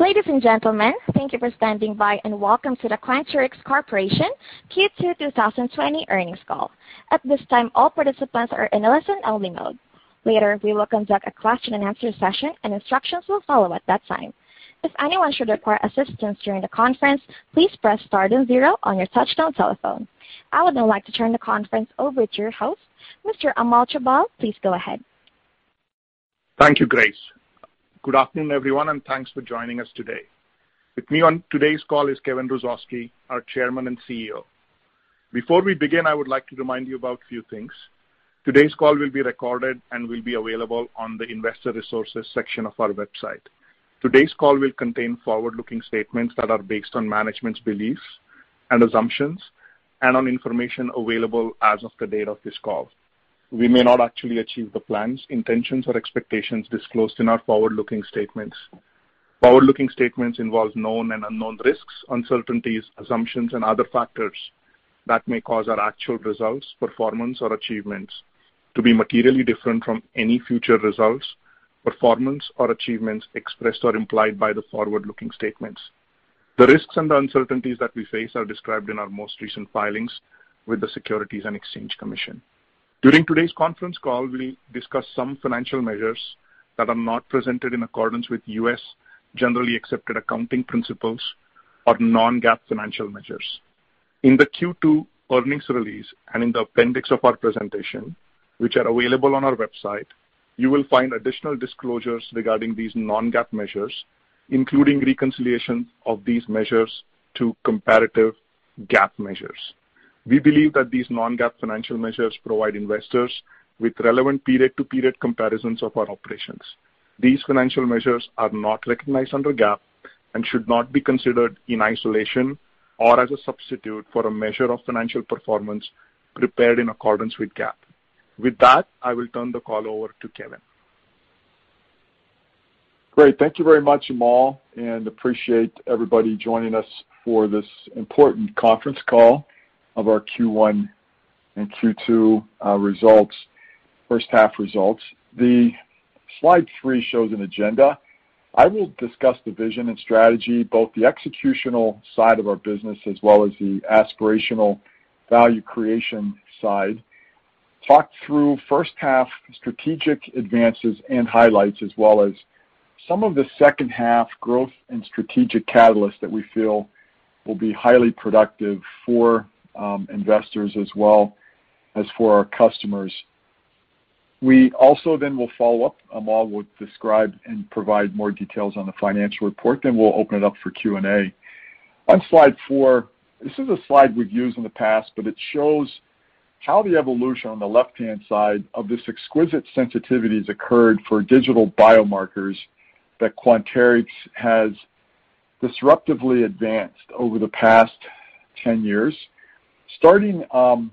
Ladies and gentlemen, thank you for standing by, and welcome to the Quanterix Corporation Q2 2020 earnings call. At this time, all participants are in a listen-only mode. Later, we will conduct a question and answer session, and instructions will follow at that time. If anyone should require assistance during the conference, please press star then zero on your touch-tone telephone. I would now like to turn the conference over to your host, Mr. Amal Jabal. Please go ahead. Thank you, Grace. Good afternoon, everyone, and thanks for joining us today. With me on today's call is Kevin Hrusovsky, our Chairman and CEO. Before we begin, I would like to remind you about a few things. Today's call will be recorded and will be available on the investor resources section of our website. Today's call will contain forward-looking statements that are based on management's beliefs and assumptions and on information available as of the date of this call. We may not actually achieve the plans, intentions, or expectations disclosed in our forward-looking statements. Forward-looking statements involve known and unknown risks, uncertainties, assumptions and other factors that may cause our actual results, performance, or achievements to be materially different from any future results, performance or achievements expressed or implied by the forward-looking statements. The risks and uncertainties that we face are described in our most recent filings with the Securities and Exchange Commission. During today's conference call, we'll discuss some financial measures that are not presented in accordance with U.S. generally accepted accounting principles or non-GAAP financial measures. In the Q2 earnings release and in the appendix of our presentation, which are available on our website, you will find additional disclosures regarding these non-GAAP measures, including reconciliation of these measures to comparative GAAP measures. We believe that these non-GAAP financial measures provide investors with relevant period-to-period comparisons of our operations. These financial measures are not recognized under GAAP and should not be considered in isolation or as a substitute for a measure of financial performance prepared in accordance with GAAP. With that, I will turn the call over to Kevin. Great. Thank you very much, Amal. I appreciate everybody joining us for this important conference call of our Q1 and Q2 results, first half results. The slide three shows an agenda. I will discuss the vision and strategy, both the executional side of our business as well as the aspirational value creation side, talk through first half strategic advances and highlights, as well as some of the second half growth and strategic catalysts that we feel will be highly productive for investors as well as for our customers. We also will follow up. Amal will describe and provide more details on the financial report. We'll open it up for Q&A. On slide four, this is a slide we've used in the past, but it shows how the evolution on the left-hand side of this exquisite sensitivity has occurred for digital biomarkers that Quanterix has disruptively advanced over the past 10 years. Starting,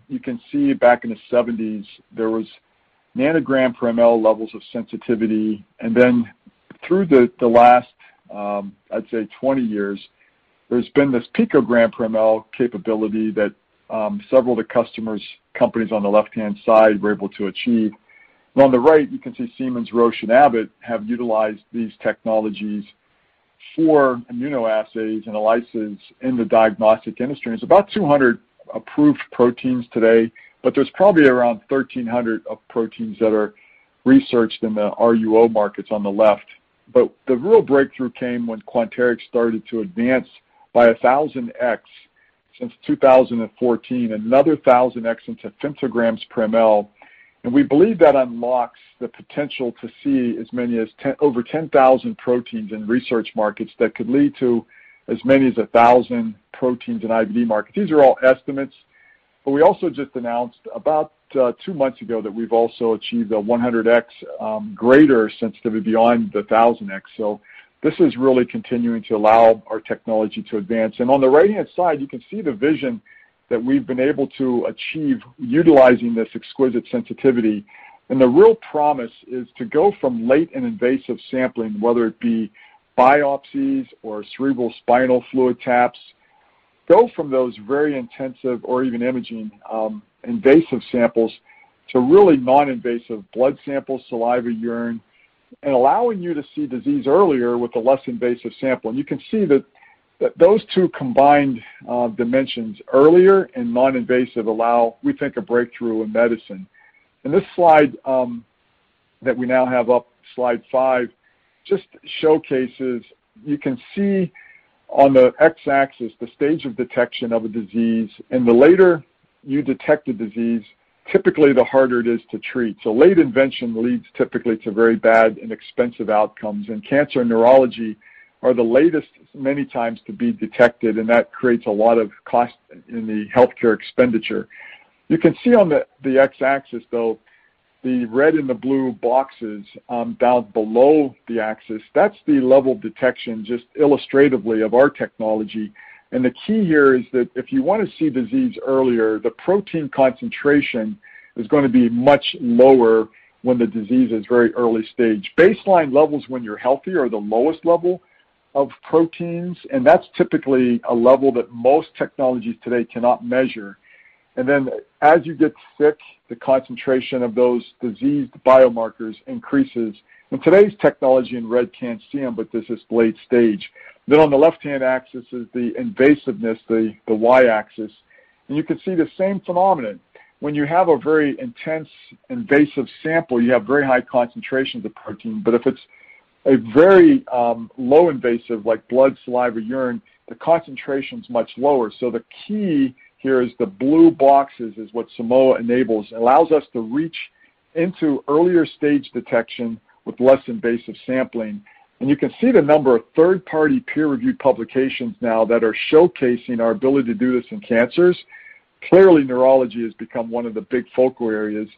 you can see back in the '70s, there was nanogram per mL levels of sensitivity, and then through the last, I'd say, 20 years, there's been this picogram per mL capability that several of the customers, companies on the left-hand side were able to achieve. On the right, you can see Siemens, Roche, and Abbott have utilized these technologies for immunoassays and ELISAs in the diagnostic industry. There's about 200 approved proteins today, but there's probably around 1,300 of proteins that are researched in the RUO markets on the left. The real breakthrough came when Quanterix started to advance by 1,000x since 2014, another 1,000x into femtograms per mL. We believe that unlocks the potential to see as many as over 10,000 proteins in research markets that could lead to as many as 1,000 proteins in IVD market. These are all estimates. We also just announced about two months ago that we've also achieved a 100x greater sensitivity beyond the 1,000x. This is really continuing to allow our technology to advance. On the right-hand side, you can see the vision that we've been able to achieve utilizing this exquisite sensitivity. The real promise is to go from late and invasive sampling, whether it be biopsies or cerebrospinal fluid taps, go from those very intensive or even imaging, invasive samples to really non-invasive blood samples, saliva, urine, and allowing you to see disease earlier with a less invasive sample. You can see that those two combined dimensions, earlier and non-invasive, allow, we think, a breakthrough in medicine. This slide that we now have up, slide five, just showcases, you can see on the x-axis the stage of detection of a disease, and the later you detect a disease, typically the harder it is to treat. Late invention leads typically to very bad and expensive outcomes, and cancer and neurology are the latest many times to be detected, and that creates a lot of cost in the healthcare expenditure. You can see on the x-axis, though, the red and the blue boxes down below the axis, that's the level of detection, just illustratively, of our technology. The key here is that if you want to see disease earlier, the protein concentration is going to be much lower when the disease is very early stage. Baseline levels when you're healthy are the lowest level of proteins, and that's typically a level that most technologies today cannot measure. Then as you get sick, the concentration of those diseased biomarkers increases. Today's technology in red can't see them, but this is late stage. On the left-hand axis is the invasiveness, the Y-axis. You can see the same phenomenon. When you have a very intense, invasive sample, you have very high concentrations of protein. If it's a very low invasive, like blood, saliva, urine, the concentration's much lower. The key here is the blue boxes is what Simoa enables. It allows us to reach into earlier stage detection with less invasive sampling. You can see the number of third-party peer-reviewed publications now that are showcasing our ability to do this in cancers. Clearly, neurology has become one of the big focal areas.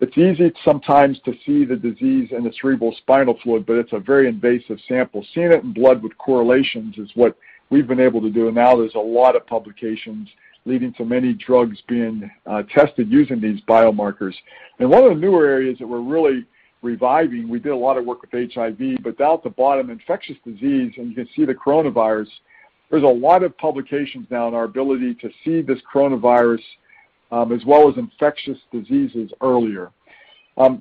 It's easy sometimes to see the disease in the cerebrospinal fluid, but it's a very invasive sample. Seeing it in blood with correlations is what we've been able to do, and now there's a lot of publications leading to many drugs being tested using these biomarkers. One of the newer areas that we're really reviving, we did a lot of work with HIV, but down at the bottom, infectious disease, and you can see the coronavirus, there's a lot of publications now on our ability to see this coronavirus as well as infectious diseases earlier.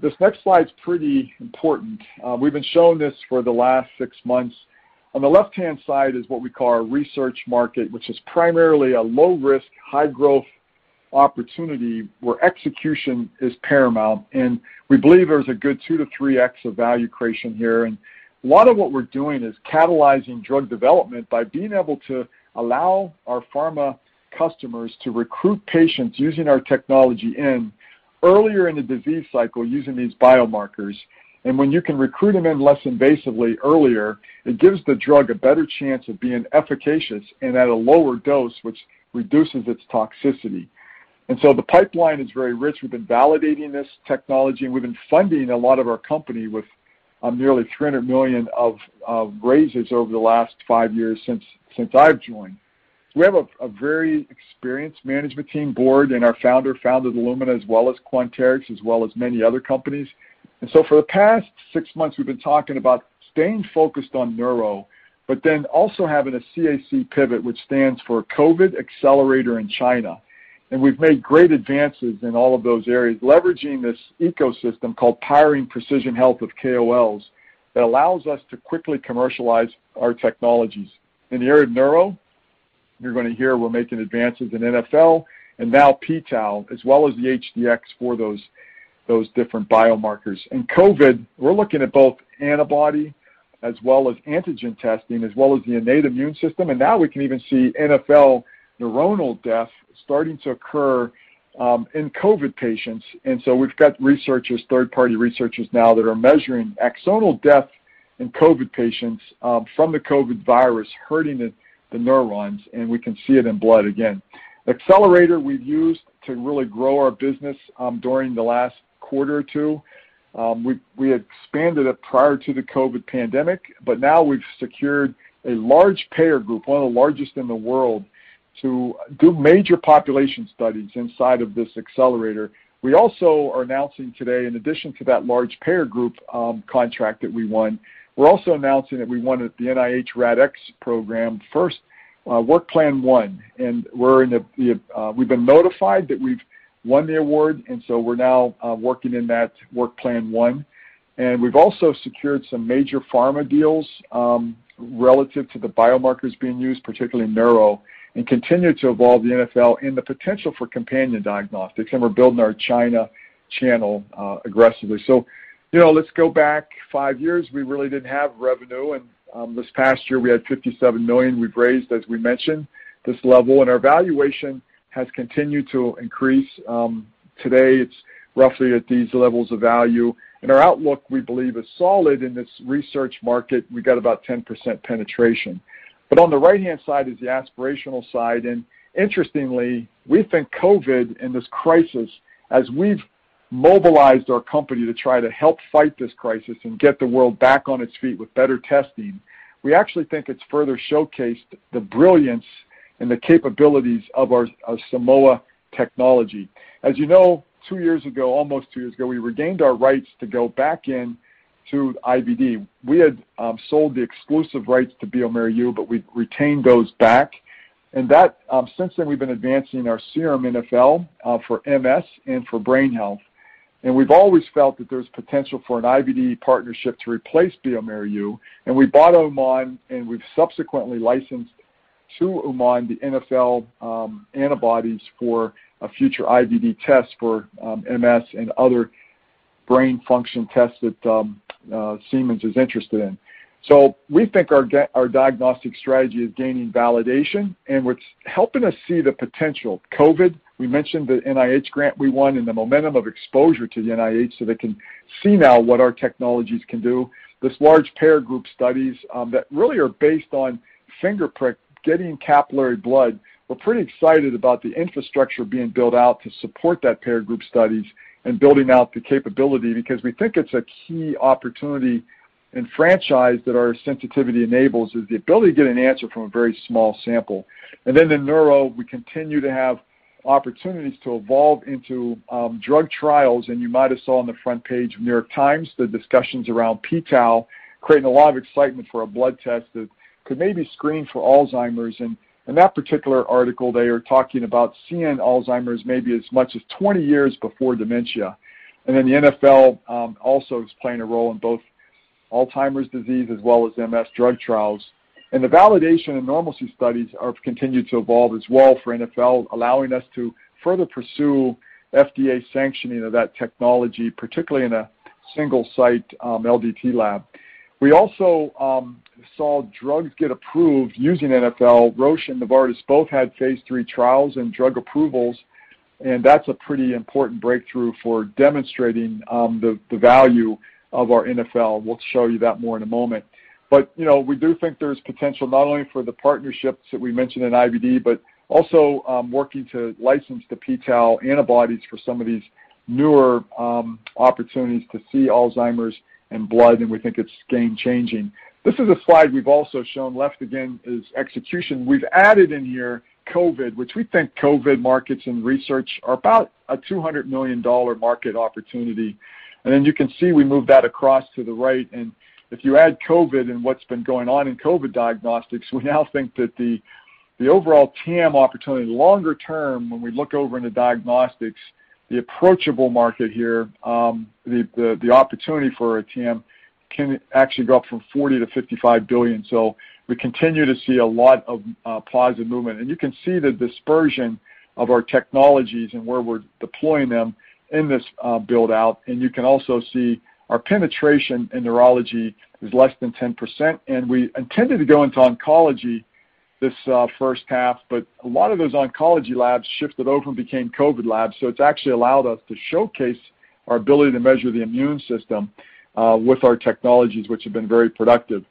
This next slide's pretty important. We've been showing this for the last six months. On the left-hand side is what we call our research market, which is primarily a low risk, high growth opportunity where execution is paramount, and we believe there's a good 2 to 3x of value creation here. A lot of what we're doing is catalyzing drug development by being able to allow our pharma customers to recruit patients using our technology in earlier in the disease cycle using these biomarkers. When you can recruit them in less invasively earlier, it gives the drug a better chance of being efficacious and at a lower dose, which reduces its toxicity. The pipeline is very rich. We've been validating this technology, and we've been funding a lot of our company with nearly $300 million of raises over the last 5 years since I've joined. We have a very experienced management team board, and our founder founded Illumina as well as Quanterix, as well as many other companies. For the past 6 months, we've been talking about staying focused on neuro, but then also having a CAC pivot, which stands for COVID Accelerator in China. We've made great advances in all of those areas, leveraging this ecosystem called Powering Precision Health with KOLs that allows us to quickly commercialize our technologies. In the area of neuro, you're going to hear we're making advances in NfL and now p-tau, as well as the HD-X for those different biomarkers. In COVID, we're looking at both antibody as well as antigen testing, as well as the innate immune system, and now we can even see NfL neuronal death starting to occur in COVID patients. We've got researchers, third-party researchers now that are measuring axonal death in COVID patients from the COVID virus hurting the neurons, and we can see it in blood again. Accelerator we've used to really grow our business during the last quarter or two. We expanded it prior to the COVID pandemic, but now we've secured a large payer group, one of the largest in the world, to do major population studies inside of this Accelerator. We also are announcing today, in addition to that large payer group contract that we won, we're also announcing that we won at the NIH RADx program first, work plan 1, we've been notified that we've won the award, so we're now working in that work plan 1. We've also secured some major pharma deals relative to the biomarkers being used, particularly in neuro, and continue to evolve the NfL and the potential for companion diagnostics, and we're building our China channel aggressively. Let's go back five years, we really didn't have revenue, and this past year, we had $57 million we've raised, as we mentioned, this level. Our valuation has continued to increase. Today it's roughly at these levels of value. Our outlook, we believe, is solid in this research market. We got about 10% penetration. On the right-hand side is the aspirational side. Interestingly, we think COVID and this crisis, as we've mobilized our company to try to help fight this crisis and get the world back on its feet with better testing, we actually think it's further showcased the brilliance and the capabilities of our Simoa technology. As you know, two years ago, almost two years ago, we regained our rights to go back in to IVD. We had sold the exclusive rights to bioMérieux, but we retained those back. Since then, we've been advancing our serum NfL for MS and for brain health. We've always felt that there's potential for an IVD partnership to replace bioMérieux, and we bought Uman, and we've subsequently licensed to Uman the NfL antibodies for a future IVD test for MS and other brain function tests that Siemens is interested in. We think our diagnostic strategy is gaining validation, and what's helping us see the potential, COVID, we mentioned the NIH grant we won and the momentum of exposure to the NIH so they can see now what our technologies can do. This large payer group studies that really are based on finger prick, getting capillary blood. We're pretty excited about the infrastructure being built out to support that payer group studies and building out the capability because we think it's a key opportunity and franchise that our sensitivity enables is the ability to get an answer from a very small sample. In neuro, we continue to have opportunities to evolve into drug trials, and you might have saw on the front page of The New York Times, the discussions around p-tau creating a lot of excitement for a blood test that could maybe screen for Alzheimer's. In that particular article, they are talking about seeing Alzheimer's maybe as much as 20 years before dementia. The NfL also is playing a role in both Alzheimer's disease, as well as MS drug trials. The validation and normalcy studies have continued to evolve as well for NfL, allowing us to further pursue FDA sanctioning of that technology, particularly in a single-site LDT lab. We also saw drugs get approved using NfL. Roche and Novartis both had phase III trials and drug approvals. That's a pretty important breakthrough for demonstrating the value of our NfL, we'll show you that more in a moment. We do think there's potential not only for the partnerships that we mentioned in IVD, but also working to license the p-tau antibodies for some of these newer opportunities to see Alzheimer's in blood. We think it's game-changing. This is a slide we've also shown. Left again is execution. We've added in here COVID, which we think COVID markets and research are about a $200 million market opportunity. Then you can see we moved that across to the right, and if you add COVID and what's been going on in COVID diagnostics, we now think that the overall TAM opportunity, longer term, when we look over into diagnostics, the approachable market here, the opportunity for a TAM can actually go up from $40 billion-$55 billion. We continue to see a lot of positive movement. You can see the dispersion of our technologies and where we're deploying them in this build-out, and you can also see our penetration in neurology is less than 10%. We intended to go into oncology this first half, but a lot of those oncology labs shifted over and became COVID labs, it's actually allowed us to showcase our ability to measure the immune system, with our technologies, which have been very productive.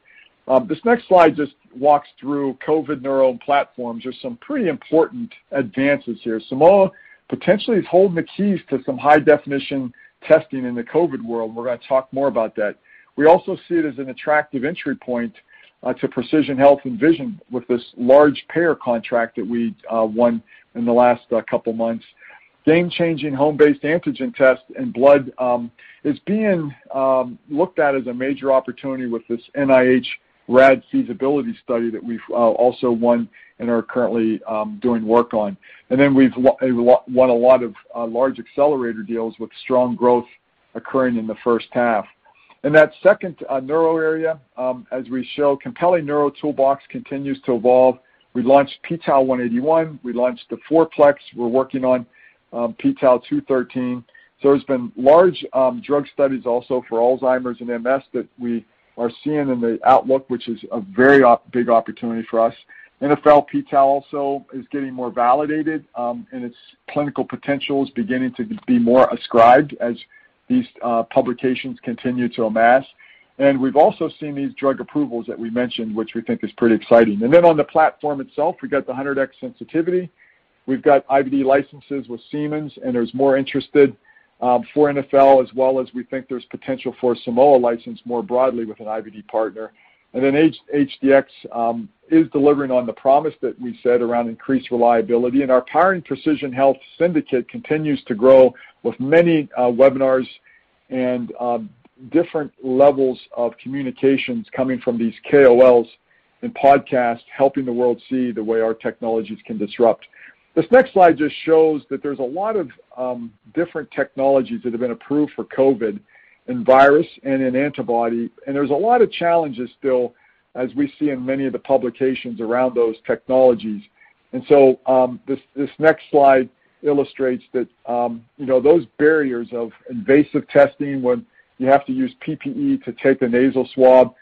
This next slide just walks through COVID neural platforms. There's some pretty important advances here. Simoa potentially is holding the keys to some high-definition testing in the COVID world, we're going to talk more about that. We also see it as an attractive entry point to Precision Health and Vision with this large payer contract that we won in the last couple of months. Game-changing home-based antigen tests in blood is being looked at as a major opportunity with this NIH RAD feasibility study that we've also won and are currently doing work on. We've won a lot of large Accelerator deals with strong growth occurring in the first half. In that second neural area, as we show, compelling neural toolbox continues to evolve. We launched p-tau181, we launched the 4-plex, we're working on p-tau213. There's been large drug studies also for Alzheimer's and MS that we are seeing in the outlook, which is a very big opportunity for us. NfL p-tau also is getting more validated, and its clinical potential is beginning to be more ascribed as these publications continue to amass. We've also seen these drug approvals that we mentioned, which we think is pretty exciting. On the platform itself, we've got the 100X sensitivity. We've got IVD licenses with Siemens, and there's more interest for NfL as well as we think there's potential for Simoa license more broadly with an IVD partner. HD-X is delivering on the promise that we set around increased reliability, our Powering Precision Health syndicate continues to grow with many webinars and different levels of communications coming from these KOLs and podcasts, helping the world see the way our technologies can disrupt. This next slide just shows that there's a lot of different technologies that have been approved for COVID in virus and in antibody, there's a lot of challenges still as we see in many of the publications around those technologies. This next slide illustrates that those barriers of invasive testing, when you have to use PPE to take a nasal swab,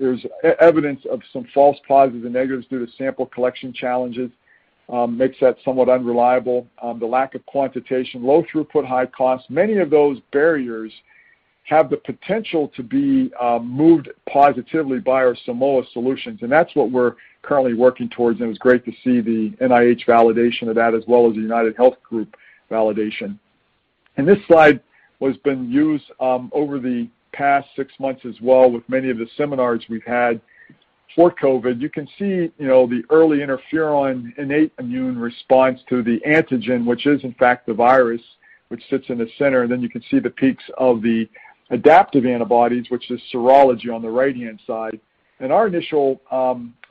there's evidence of some false positives and negatives due to sample collection challenges, makes that somewhat unreliable. The lack of quantitation, low throughput, high cost, many of those barriers have the potential to be moved positively by our Simoa solutions, and that's what we're currently working towards, and it was great to see the NIH validation of that as well as the UnitedHealth Group validation. This slide has been used over the past six months as well with many of the seminars we've had for COVID. You can see the early interferon innate immune response to the antigen, which is in fact the virus which sits in the center, and then you can see the peaks of the adaptive antibodies, which is serology on the right-hand side. Our initial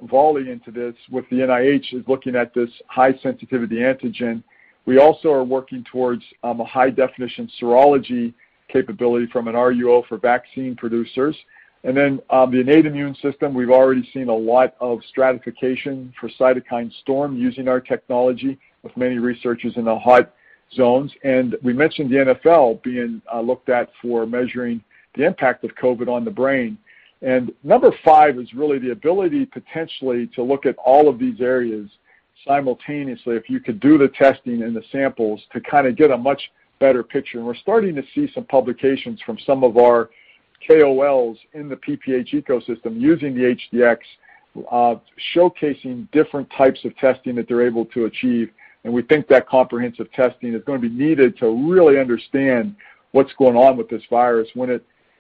volley into this with the NIH is looking at this high-sensitivity antigen. We also are working towards a high-definition serology capability from an RUO for vaccine producers. The innate immune system, we've already seen a lot of stratification for cytokine storm using our technology with many researchers in the hot zones. We mentioned the NfL being looked at for measuring the impact of COVID on the brain. Number 5 is really the ability potentially to look at all of these areas simultaneously, if you could do the testing and the samples to kind of get a much better picture. We're starting to see some publications from some of our KOLs in the PPH ecosystem using the HD-X, showcasing different types of testing that they're able to achieve, and we think that comprehensive testing is going to be needed to really understand what's going on with this virus,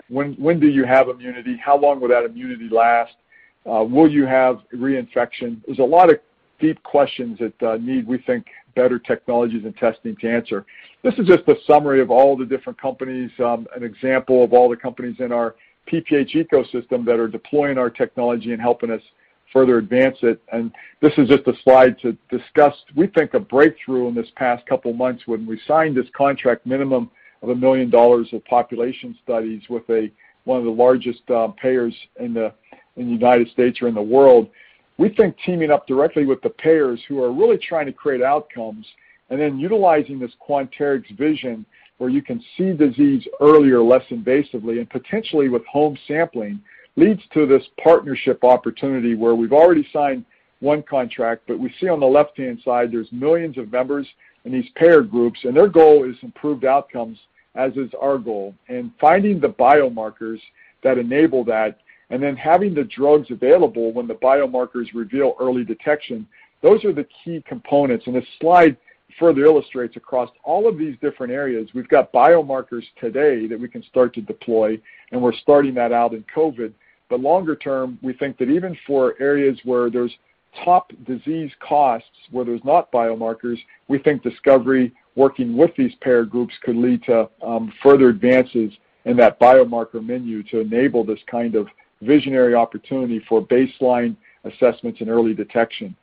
when do you have immunity? How long will that immunity last? Will you have reinfection? There's a lot of deep questions that need, we think, better technologies and testing to answer. This is just a summary of all the different companies, an example of all the companies in our PPH ecosystem that are deploying our technology and helping us further advance it. This is just a slide to discuss, we think, a breakthrough in these past couple of months when we signed this contract minimum of $1 million of population studies with one of the largest payers in the United States or in the world. We think teaming up directly with the payers who are really trying to create outcomes, and then utilizing this Quanterix vision where you can see disease earlier, less invasively, and potentially with home sampling, leads to this partnership opportunity where we've already signed one contract. We see on the left-hand side, there's millions of members in these payer groups, and their goal is improved outcomes, as is our goal. Finding the biomarkers that enable that, and then having the drugs available when the biomarkers reveal early detection, those are the key components. This slide further illustrates across all of these different areas, we've got biomarkers today that we can start to deploy, and we're starting that out in COVID. Longer term, we think that even for areas where there's top disease costs where there's not biomarkers, we think discovery, working with these payer groups could lead to further advances in that biomarker menu to enable this kind of visionary opportunity for baseline assessments and early detection.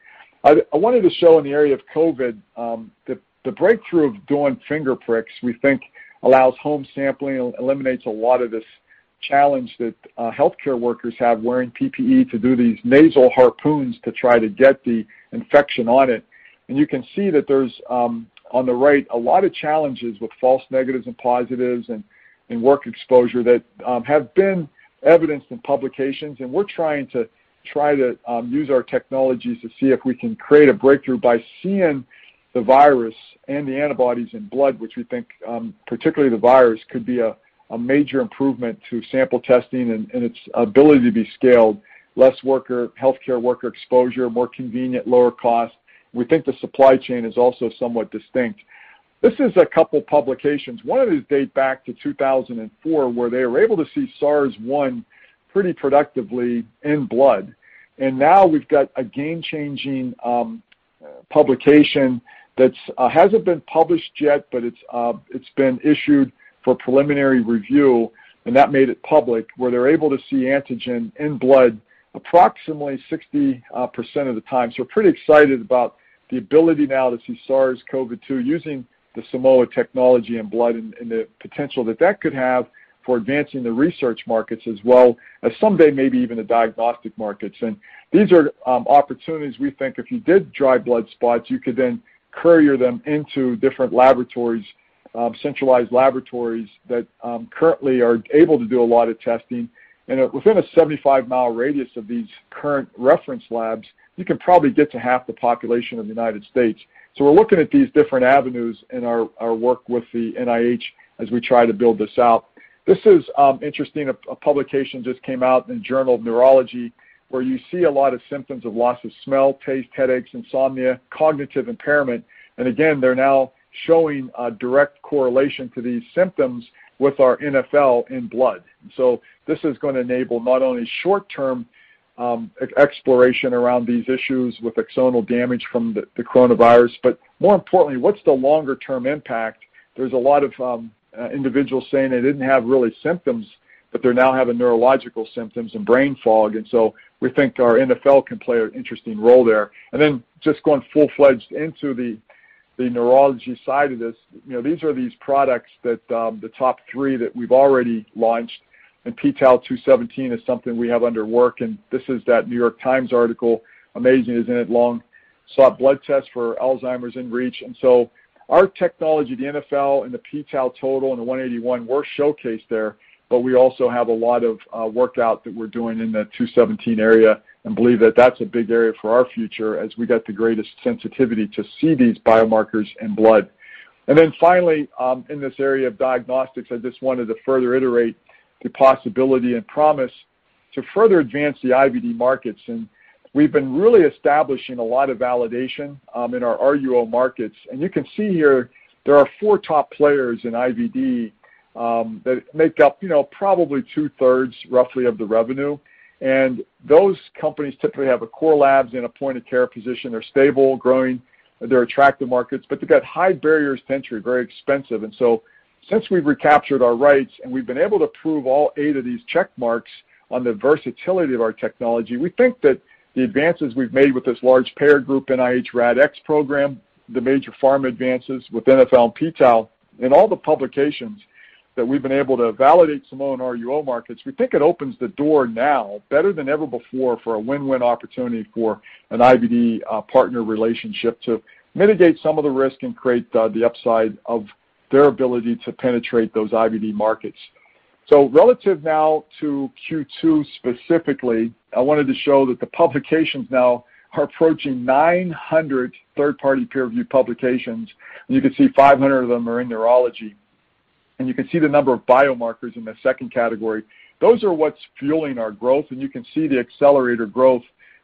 I wanted to show in the area of COVID, the breakthrough of doing finger pricks, we think, allows home sampling and eliminates a lot of this challenge that healthcare workers have wearing PPE to do these nasal harpoons to try to get the infection on it. You can see that there's, on the right, a lot of challenges with false negatives and positives and work exposure that have been evidenced in publications. We're trying to use our technologies to see if we can create a breakthrough by seeing the virus and the antibodies in blood, which we think, particularly the virus, could be a major improvement to sample testing and its ability to be scaled. Less healthcare worker exposure, more convenient, lower cost. We think the supply chain is also somewhat distinct. This is a couple of publications. One of these dates back to 2004, where they were able to see SARS-1 pretty productively in blood. Now we've got a game-changing publication that hasn't been published yet, but it's been issued for preliminary review, and that made it public, where they're able to see antigen in blood approximately 60% of the time. We're pretty excited about the ability now to see SARS-CoV-2 using the Simoa technology in blood and the potential that that could have for advancing the research markets as well as someday maybe even the diagnostic markets. These are opportunities we think if you did dried blood spots, you could then courier them into different centralized laboratories that currently are able to do a lot of testing. Within a 75-mile radius of these current reference labs, you can probably get to half the population of the United States. We're looking at these different avenues in our work with the NIH as we try to build this out. This is interesting. A publication just came out in the Journal of Neurology where you see a lot of symptoms of loss of smell, taste, headaches, insomnia, cognitive impairment. Again, they're now showing a direct correlation to these symptoms with our NfL in blood. This is going to enable not only short-term exploration around these issues with axonal damage from the coronavirus, but more importantly, what's the longer-term impact? There's a lot of individuals saying they didn't have really symptoms, but they're now having neurological symptoms and brain fog. We think our NfL can play an interesting role there. Just going full-fledged into the neurology side of this, these are these products that the top three that we've already launched. p-tau217 is something we have under work, and this is that The New York Times article, amazing, isn't it. Long-sought blood test for Alzheimer's in reach. Our technology, the NfL and the p-tau Total, the 181 were showcased there, but we also have a lot of work out that we're doing in the 217 area and believe that that's a big area for our future as we got the greatest sensitivity to see these biomarkers in blood. Finally, in this area of diagnostics, I just wanted to further iterate the possibility and promise to further advance the IVD markets. We've been really establishing a lot of validation in our RUO markets. You can see here there are four top players in IVD that make up probably two-thirds, roughly, of the revenue. Those companies typically have a core labs and a point-of-care position. They're stable, growing. They're attractive markets, but they've got high barriers to entry, very expensive. Since we've recaptured our rights and we've been able to prove all eight of these check marks on the versatility of our technology, we think that the advances we've made with this large payer group, NIH RADx program, the major pharma advances with NfL and p-tau, and all the publications that we've been able to validate Simoa and RUO markets, we think it opens the door now better than ever before for a win-win opportunity for an IVD partner relationship to mitigate some of the risk and create the upside of their ability to penetrate those IVD markets. Relative now to Q2 specifically, I wanted to show that the publications now are approaching 900 third-party peer-reviewed publications, and you can see 500 of them are in neurology. You can see the number of biomarkers in the second category. Those are what's fueling our growth, and you can see the Accelerator growth.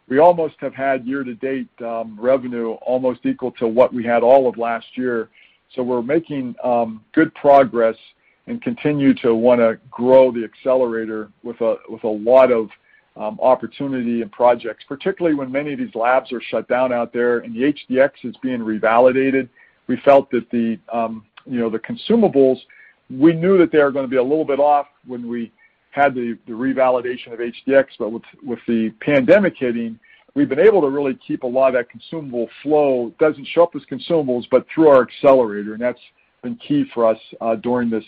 We almost have had year-to-date revenue almost equal to what we had all of last year. We're making good progress and continue to want to grow the Accelerator with a lot of opportunity and projects, particularly when many of these labs are shut down out there and the HD-X is being revalidated. We felt that the consumables, we knew that they were going to be a little bit off when we had the revalidation of HD-X, but with the pandemic hitting, we've been able to really keep a lot of that consumable flow. It doesn't show up as consumables, but through our Accelerator, that's been key for us during this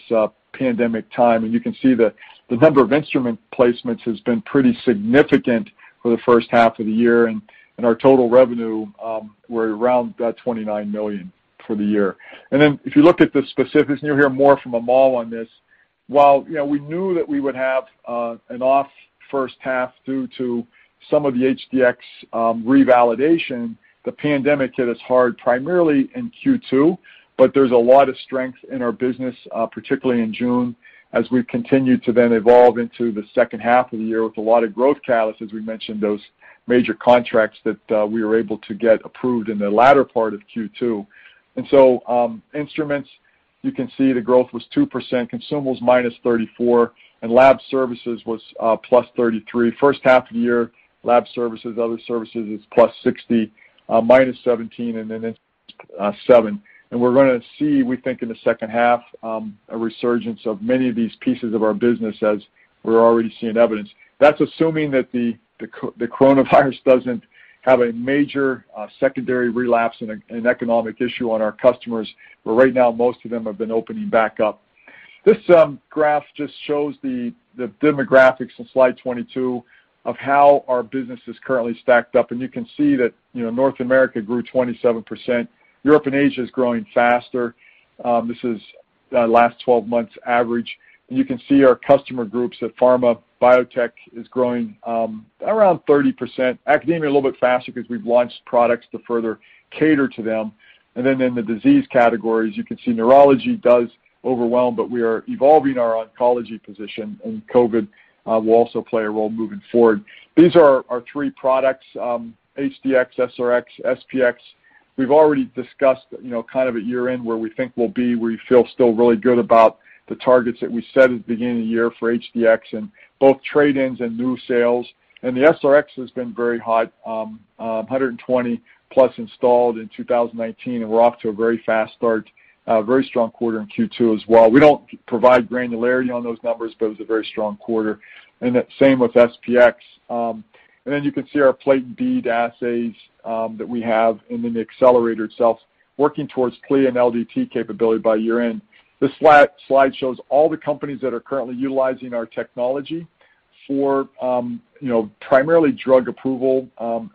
pandemic time. You can see that the number of instrument placements has been pretty significant for the first half of the year, and our total revenue, we're around that $29 million for the year. If you look at the specifics, and you'll hear more from Amal on this, while we knew that we would have an off first half due to some of the HD-X revalidation, the pandemic hit us hard, primarily in Q2, there's a lot of strength in our business, particularly in June, as we've continued to then evolve into the second half of the year with a lot of growth catalysts. As we mentioned, those major contracts that we were able to get approved in the latter part of Q2. Instruments, you can see the growth was 2%, consumables minus 34%, and lab services was plus 33%. First half of the year, lab services, other services is plus 60%, minus 17%, and then 7%. We're going to see, we think in the second half, a resurgence of many of these pieces of our business as we're already seeing evidence. That's assuming that the coronavirus doesn't have a major secondary relapse and economic issue on our customers, where right now, most of them have been opening back up. This graph just shows the demographics on slide 22 of how our business is currently stacked up, and you can see that North America grew 27%. Europe and Asia is growing faster. This is last 12 months average. You can see our customer groups at pharma, biotech is growing around 30%, academia a little bit faster because we've launched products to further cater to them. In the disease categories, you can see neurology does overwhelm, but we are evolving our oncology position, and COVID will also play a role moving forward. These are our three products, HD-X, SR-X, SP-X. We've already discussed kind of at year-end where we think we'll be, where we feel still really good about the targets that we set at the beginning of the year for HDx and both trade-ins and new sales. The SRx has been very hot, 120-plus installed in 2019, and we're off to a very fast start, a very strong quarter in Q2 as well. We don't provide granularity on those numbers, but it was a very strong quarter. Same with SPx. You can see our plate-based assays that we have in the Accelerator itself, working towards CLIA and LDT capability by year-end. This slide shows all the companies that are currently utilizing our technology for primarily drug approval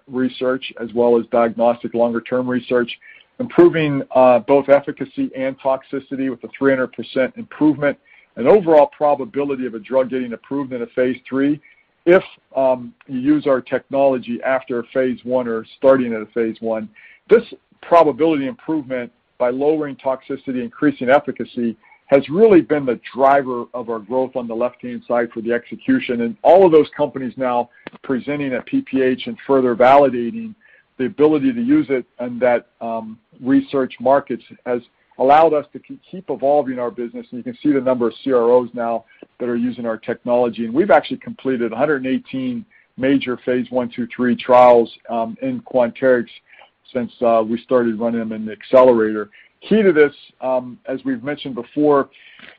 research as well as diagnostic longer-term research, improving both efficacy and toxicity with a 300% improvement and overall probability of a drug getting approved in a phase III if you use our technology after phase I or starting at a phase I. This probability improvement by lowering toxicity, increasing efficacy, has really been the driver of our growth on the left-hand side for the execution, and all of those companies now presenting at PPH and further validating the ability to use it and that research markets has allowed us to keep evolving our business, and you can see the number of CROs now that are using our technology. We've actually completed 118 major phase I, II, III trials in Quanterix since we started running them in the Accelerator. Key to this, as we've mentioned before,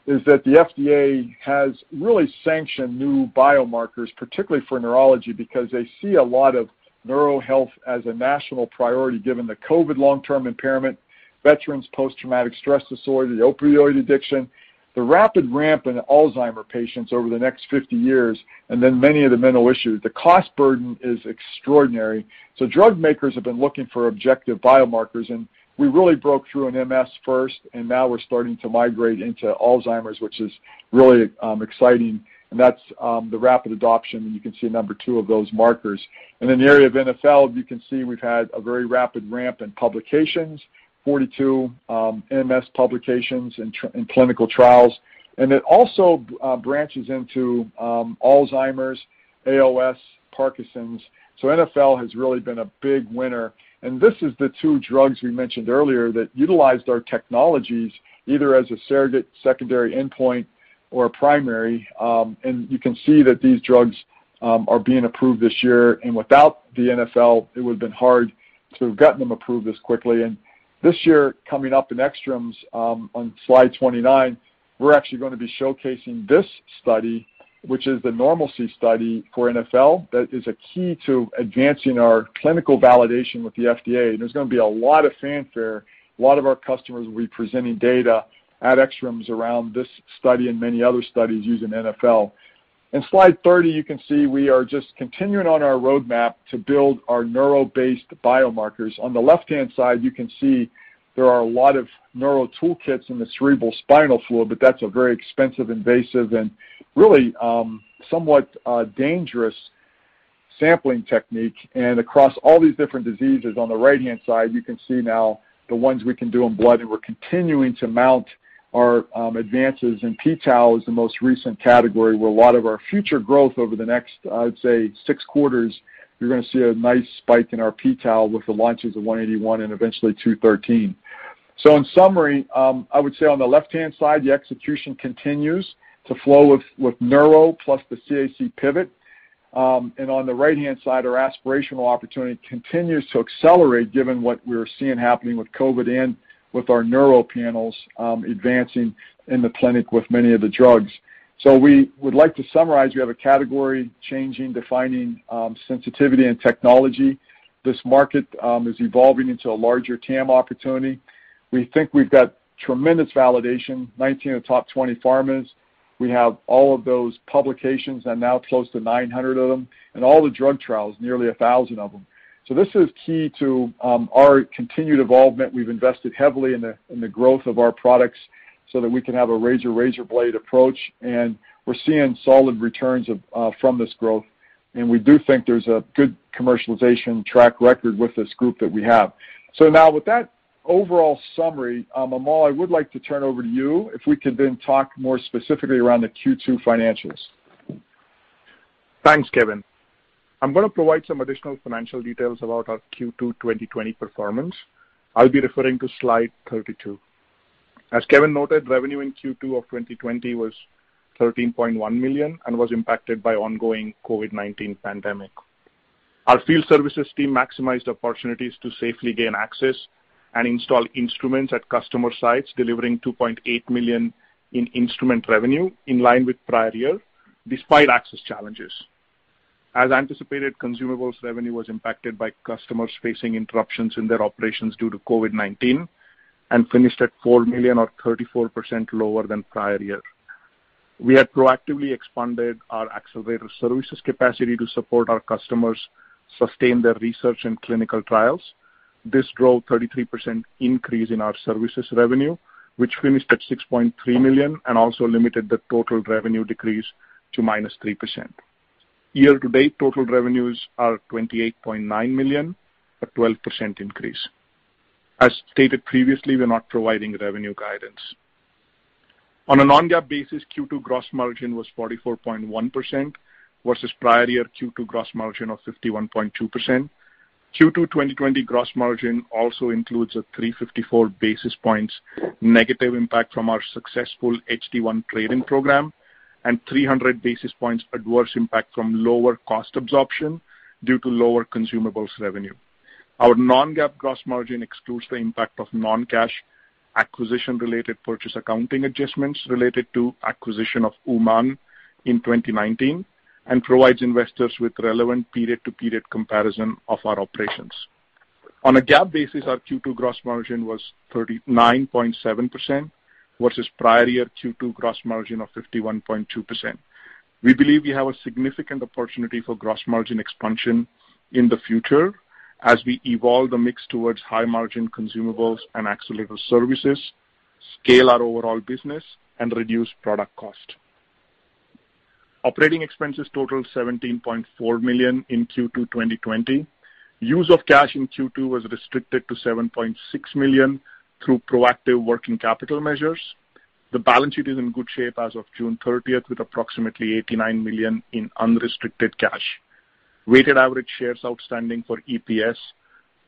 is that the FDA has really sanctioned new biomarkers, particularly for neurology, because they see a lot of neuro health as a national priority given the COVID long-term impairment, veterans post-traumatic stress disorder, the opioid addiction, the rapid ramp in Alzheimer's patients over the next 50 years, and then many of the mental issues. The cost burden is extraordinary. Drug makers have been looking for objective biomarkers, and we really broke through in MS first, and now we're starting to migrate into Alzheimer's, which is really exciting, and that's the rapid adoption, and you can see number 2 of those markers. In the area of NfL, you can see we've had a very rapid ramp in publications, 42 MS publications in clinical trials. It also branches into Alzheimer's, ALS, Parkinson's. NfL has really been a big winner. This is the two drugs we mentioned earlier that utilized our technologies, either as a surrogate secondary endpoint or a primary, and you can see that these drugs are being approved this year. Without the NfL, it would have been hard to have gotten them approved this quickly. This year, coming up in ECTRIMS on slide 29, we're actually going to be showcasing this study, which is the normalcy study for NfL that is a key to advancing our clinical validation with the FDA. There's going to be a lot of fanfare. A lot of our customers will be presenting data at ECTRIMS around this study and many other studies using NfL. In slide 30, you can see we are just continuing on our roadmap to build our neuro-based biomarkers. On the left-hand side, you can see there are a lot of neuro toolkits in the cerebrospinal fluid, but that's a very expensive, invasive, and really somewhat dangerous sampling technique. Across all these different diseases on the right-hand side, you can see now the ones we can do in blood, and we're continuing to mount our advances in p-tau is the most recent category where a lot of our future growth over the next, I'd say, six quarters, you're going to see a nice spike in our p-tau with the launches of 181 and eventually 217. In summary, I would say on the left-hand side, the execution continues to flow with neuro plus the CAC pivot. On the right-hand side, our aspirational opportunity continues to accelerate given what we're seeing happening with COVID and with our neuro panels advancing in the clinic with many of the drugs. We would like to summarize, we have a category-changing, defining sensitivity and technology. This market is evolving into a larger TAM opportunity. We think we've got tremendous validation, 19 of the top 20 pharmas. We have all of those publications and now close to 900 of them, and all the drug trials, nearly 1,000 of them. This is key to our continued involvement. We've invested heavily in the growth of our products so that we can have a razor blade approach, and we're seeing solid returns from this growth. We do think there's a good commercialization track record with this group that we have. Now, with that overall summary, Amal, I would like to turn over to you, if we could then talk more specifically around the Q2 financials. Thanks, Kevin. I'm going to provide some additional financial details about our Q2 2020 performance. I'll be referring to slide 32. As Kevin noted, revenue in Q2 of 2020 was $13.1 million and was impacted by ongoing COVID-19 pandemic. Our field services team maximized opportunities to safely gain access and install instruments at customer sites, delivering $2.8 million in instrument revenue in line with prior year, despite access challenges. As anticipated, consumables revenue was impacted by customers facing interruptions in their operations due to COVID-19 and finished at $4 million, or 34% lower than prior year. We had proactively expanded our Accelerator services capacity to support our customers sustain their research and clinical trials. This drove 33% increase in our services revenue, which finished at $6.3 million and also limited the total revenue decrease to minus 3%. Year-to-date total revenues are $28.9 million, a 12% increase. As stated previously, we're not providing revenue guidance. On a non-GAAP basis, Q2 gross margin was 44.1% versus prior year Q2 gross margin of 51.2%. Q2 2020 gross margin also includes a 354 basis points negative impact from our successful HD-1 trade-in program and 300 basis points adverse impact from lower cost absorption due to lower consumables revenue. Our non-GAAP gross margin excludes the impact of non-cash acquisition related purchase accounting adjustments related to acquisition of UmanDiagnostics in 2019 and provides investors with relevant period-to-period comparison of our operations. On a GAAP basis, our Q2 gross margin was 39.7%, versus prior year Q2 gross margin of 51.2%. We believe we have a significant opportunity for gross margin expansion in the future as we evolve the mix towards high-margin consumables and accelerator services, scale our overall business, and reduce product cost. Operating expenses totaled $17.4 million in Q2 2020. Use of cash in Q2 was restricted to $7.6 million through proactive working capital measures. The balance sheet is in good shape as of June 30th, with approximately $89 million in unrestricted cash. Weighted average shares outstanding for EPS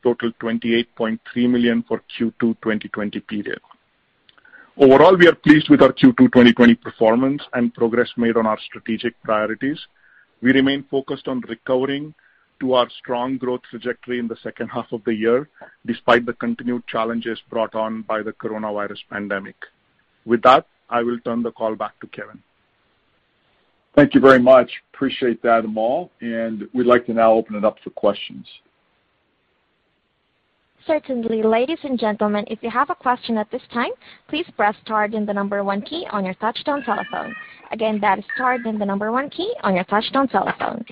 totaled $28.3 million for Q2 2020 period. Overall, we are pleased with our Q2 2020 performance and progress made on our strategic priorities. We remain focused on recovering to our strong growth trajectory in the second half of the year, despite the continued challenges brought on by the coronavirus pandemic. With that, I will turn the call back to Kevin. Thank you very much. Appreciate that, Amal. We'd like to now open it up for questions. Certainly. Ladies and gentlemen, if you have a question at this time, please press star then the number one key on your touch-tone telephone. Again, that is star then the number one key on your touch-tone telephone.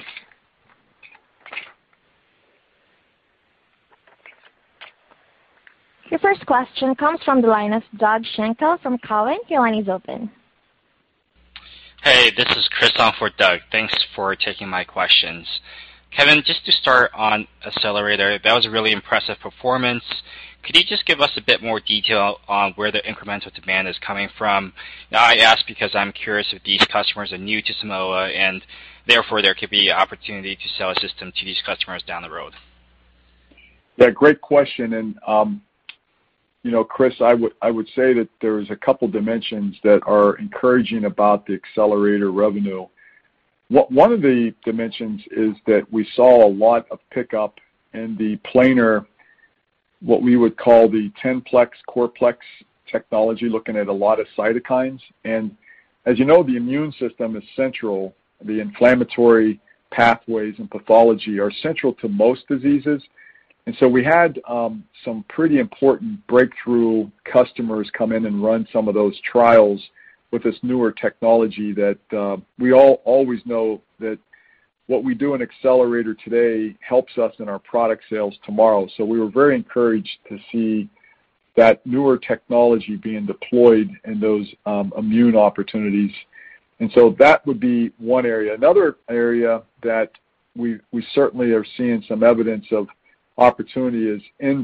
Your first question comes from the line of Doug Schenkel from Cowen. Your line is open. Hey, this is Chris on for Doug. Thanks for taking my questions. Kevin, just to start on Accelerator, that was a really impressive performance. Could you just give us a bit more detail on where the incremental demand is coming from? I ask because I'm curious if these customers are new to Simoa and therefore there could be opportunity to sell a system to these customers down the road. Yeah, great question. Chris, I would say that there's a couple dimensions that are encouraging about the Accelerator revenue. One of the dimensions is that we saw a lot of pickup in the planar, what we would call the 10-plex CorPlex technology, looking at a lot of cytokines. As you know, the immune system is central. The inflammatory pathways and pathology are central to most diseases. We had some pretty important breakthrough customers come in and run some of those trials with this newer technology that we all always know that what we do in Accelerator today helps us in our product sales tomorrow. We were very encouraged to see that newer technology being deployed in those immune opportunities. That would be one area. Another area that we certainly are seeing some evidence of opportunity is in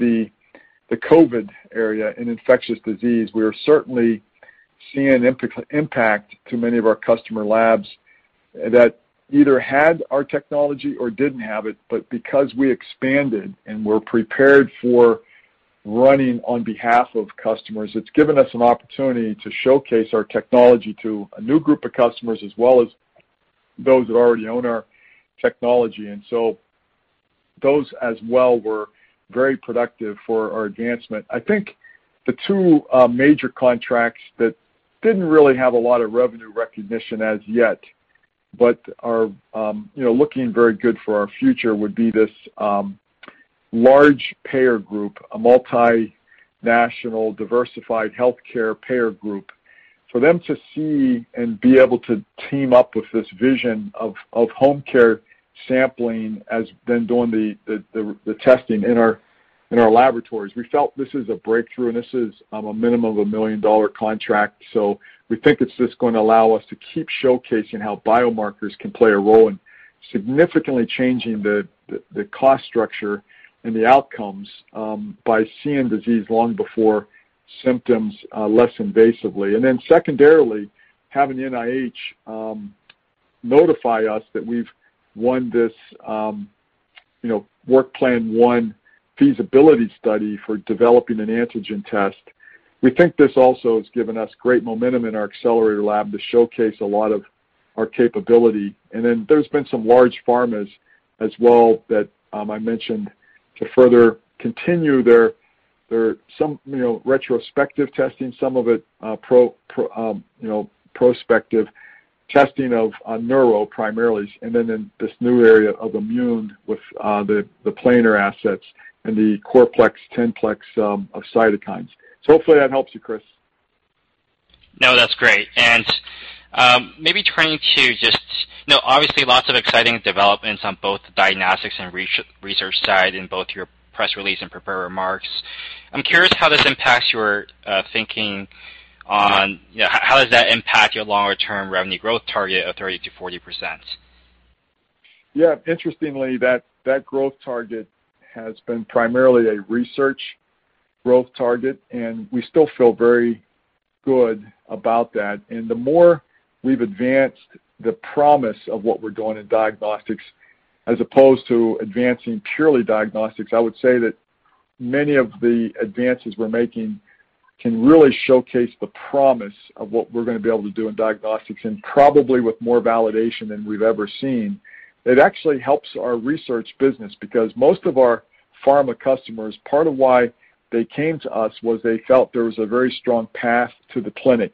the COVID area, in infectious disease. We are certainly seeing an impact to many of our customer labs that either had our technology or didn't have it, but because we expanded and we're prepared for running on behalf of customers, it's given us an opportunity to showcase our technology to a new group of customers, as well as those that already own our technology. Those as well were very productive for our advancement. I think the two major contracts that didn't really have a lot of revenue recognition as yet, but are looking very good for our future would be this large payer group, a multinational diversified healthcare payer group. For them to see and be able to team up with this vision of home care sampling, as been doing the testing in our laboratories, we felt this is a breakthrough, and this is a minimum of a million-dollar contract. We think it's just going to allow us to keep showcasing how biomarkers can play a role in significantly changing the cost structure and the outcomes, by seeing disease long before symptoms less invasively. Secondarily, having NIH notify us that we've won this Workplan One feasibility study for developing an antigen test. We think this also has given us great momentum in our Accelerator Lab to showcase a lot of our capability. There's been some large pharmas as well that I mentioned to further continue their some retrospective testing, some of it prospective testing of neuro primarily, and then in this new area of immune with the planar assets and the CorPlex, 10-plex of cytokines. Hopefully that helps you, Chris. No, that's great. Maybe turning to just Obviously, lots of exciting developments on both the diagnostics and research side in both your press release and prepared remarks. I'm curious how this impacts your thinking on how does that impact your longer-term revenue growth target of 30%-40%? Yeah, interestingly, that growth target has been primarily a research growth target, and we still feel very good about that. The more we've advanced the promise of what we're doing in diagnostics as opposed to advancing purely diagnostics, I would say that many of the advances we're making can really showcase the promise of what we're going to be able to do in diagnostics, and probably with more validation than we've ever seen. It actually helps our research business because most of our pharma customers, part of why they came to us was they felt there was a very strong path to the clinic.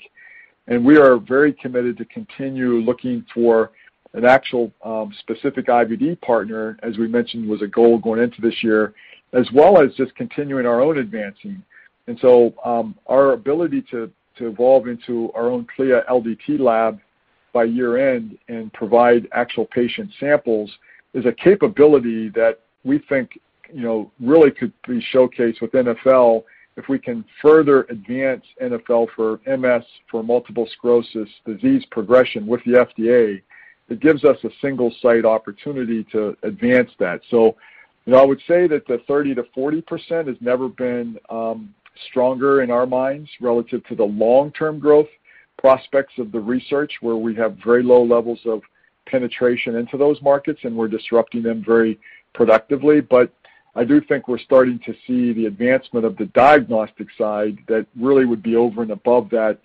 We are very committed to continue looking for an actual specific IVD partner, as we mentioned, was a goal going into this year, as well as just continuing our own advancing. Our ability to evolve into our own CLIA LDT lab by year end and provide actual patient samples is a capability that we think really could be showcased with NfL if we can further advance NfL for MS, for multiple sclerosis disease progression with the FDA. It gives us a single site opportunity to advance that. I would say that the 30%-40% has never been stronger in our minds relative to the long-term growth prospects of the research, where we have very low levels of penetration into those markets, and we're disrupting them very productively. I do think we're starting to see the advancement of the diagnostic side that really would be over and above that.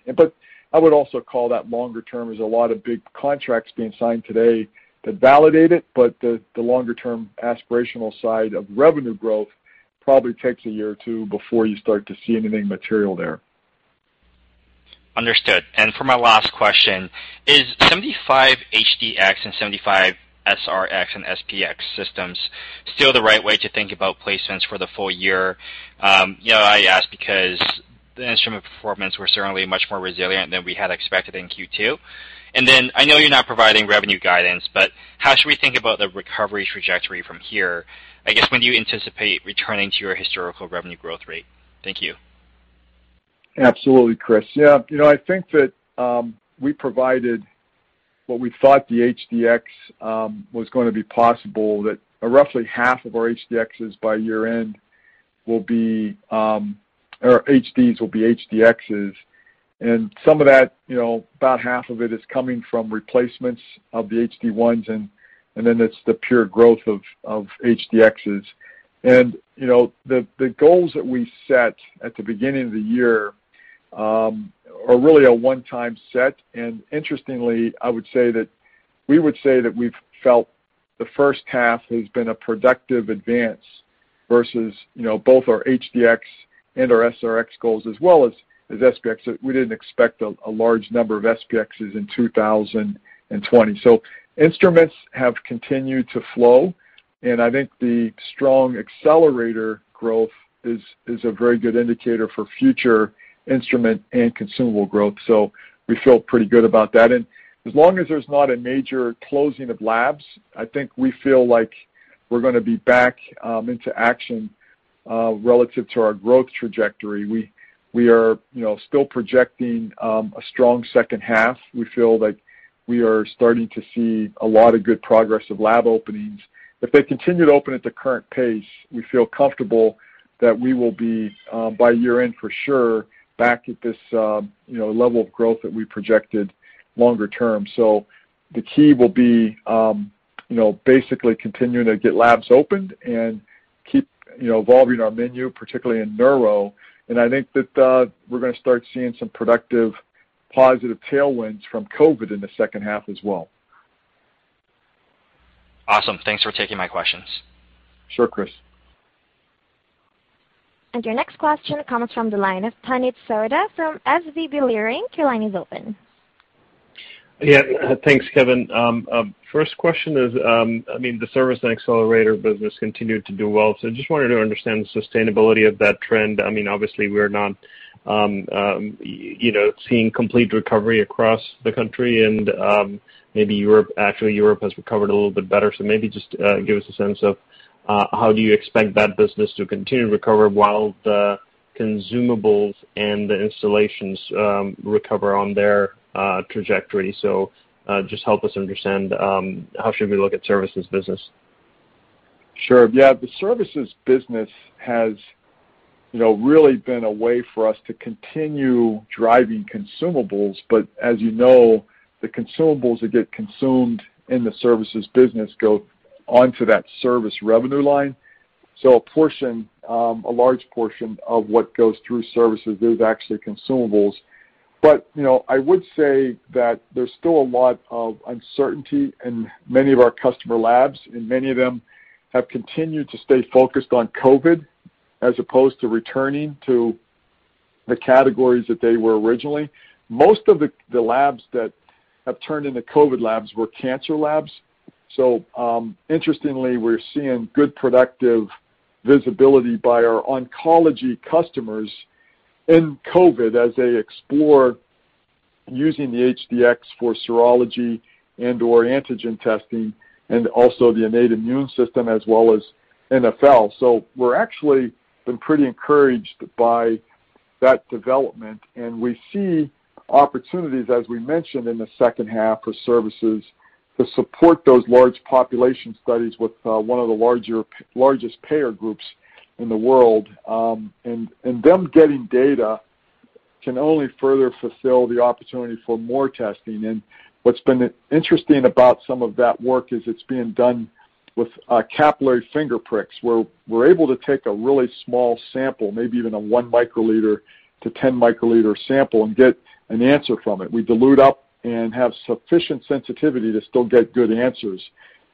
I would also call that longer term. There's a lot of big contracts being signed today to validate it. The longer-term aspirational side of revenue growth probably takes a year or two before you start to see anything material there. Understood. For my last question, is 75 HD-X and 75 SR-X and SP-X systems still the right way to think about placements for the full year? I ask because the instrument performance was certainly much more resilient than we had expected in Q2. I know you're not providing revenue guidance, but how should we think about the recovery trajectory from here? I guess, when do you anticipate returning to your historical revenue growth rate? Thank you. Absolutely, Chris. I think that, we provided what we thought the HD-X was going to be possible, that roughly half of our HDXs by year-end will be, or HDs will be HDXs. Some of that, about half of it is coming from replacements of the HD-1s, then it's the pure growth of HDXs. The goals that we set at the beginning of the year are really a one-time set. Interestingly, I would say that we would say that we've felt the first half has been a productive advance versus both our HD-X and our SR-X goals as well as SP-X. We didn't expect a large number of SPXs in 2020. Instruments have continued to flow, I think the strong Accelerator growth is a very good indicator for future instrument and consumable growth. We feel pretty good about that. As long as there's not a major closing of labs, I think we feel like we're going to be back into action, relative to our growth trajectory. We are still projecting a strong second half. We feel like we are starting to see a lot of good progress of lab openings. If they continue to open at the current pace, we feel comfortable that we will be, by year-end for sure, back at this level of growth that we projected longer term. The key will be basically continuing to get labs opened and keep evolving our menu, particularly in neuro. I think that we're going to start seeing some productive positive tailwinds from COVID in the second half as well. Awesome. Thanks for taking my questions. Sure, Chris. Your next question comes from the line of Puneet Souda from SVB Leerink. Your line is open. Yeah. Thanks, Kevin. First question is, the service and Accelerator business continued to do well. Just wanted to understand the sustainability of that trend. Obviously, we're not seeing complete recovery across the country and maybe Europe. Actually, Europe has recovered a little bit better. Maybe just give us a sense of how do you expect that business to continue to recover while the consumables and the installations recover on their trajectory. Just help us understand how should we look at services business. Sure. Yeah, the services business has really been a way for us to continue driving consumables, as you know, the consumables that get consumed in the services business go onto that service revenue line. A large portion of what goes through services is actually consumables. I would say that there's still a lot of uncertainty in many of our customer labs, and many of them have continued to stay focused on COVID as opposed to returning to the categories that they were originally. Most of the labs that have turned into COVID labs were cancer labs. Interestingly, we're seeing good productive visibility by our oncology customers in COVID as they explore using the HD-X for serology and/or antigen testing and also the innate immune system as well as NfL. We're actually been pretty encouraged by that development, and we see opportunities, as we mentioned in the second half for services to support those large population studies with one of the largest payer groups in the world. Them getting data can only further fulfill the opportunity for more testing. What's been interesting about some of that work is it's being done with capillary finger pricks, where we're able to take a really small sample, maybe even a 1 microliter to 10 microliter sample and get an answer from it. We dilute up and have sufficient sensitivity to still get good answers.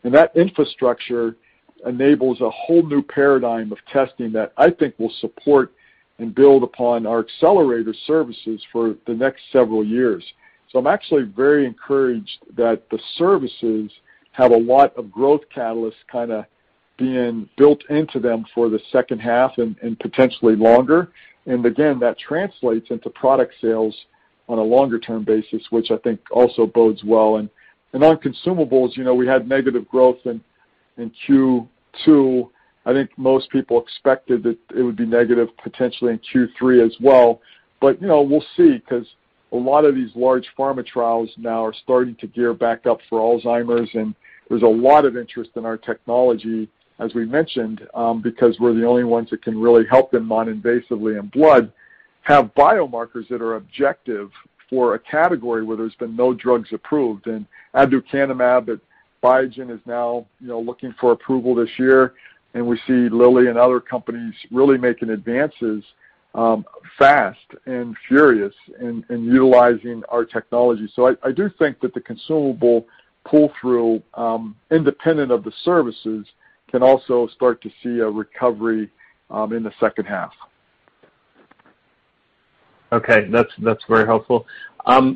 That infrastructure enables a whole new paradigm of testing that I think will support and build upon our Accelerator services for the next several years. I'm actually very encouraged that the services have a lot of growth catalysts kind of being built into them for the second half and potentially longer. Again, that translates into product sales on a longer-term basis, which I think also bodes well. On consumables, we had negative growth in Q2. I think most people expected that it would be negative potentially in Q3 as well. We'll see, because a lot of these large pharma trials now are starting to gear back up for Alzheimer's, and there's a lot of interest in our technology, as we mentioned, because we're the only ones that can really help them noninvasively in blood, have biomarkers that are objective for a category where there's been no drugs approved. Aducanumab that Biogen is now looking for approval this year, and we see Lilly and other companies really making advances fast and furious in utilizing our technology. I do think that the consumable pull-through, independent of the services, can also start to see a recovery in the second half. Okay. That's very helpful. On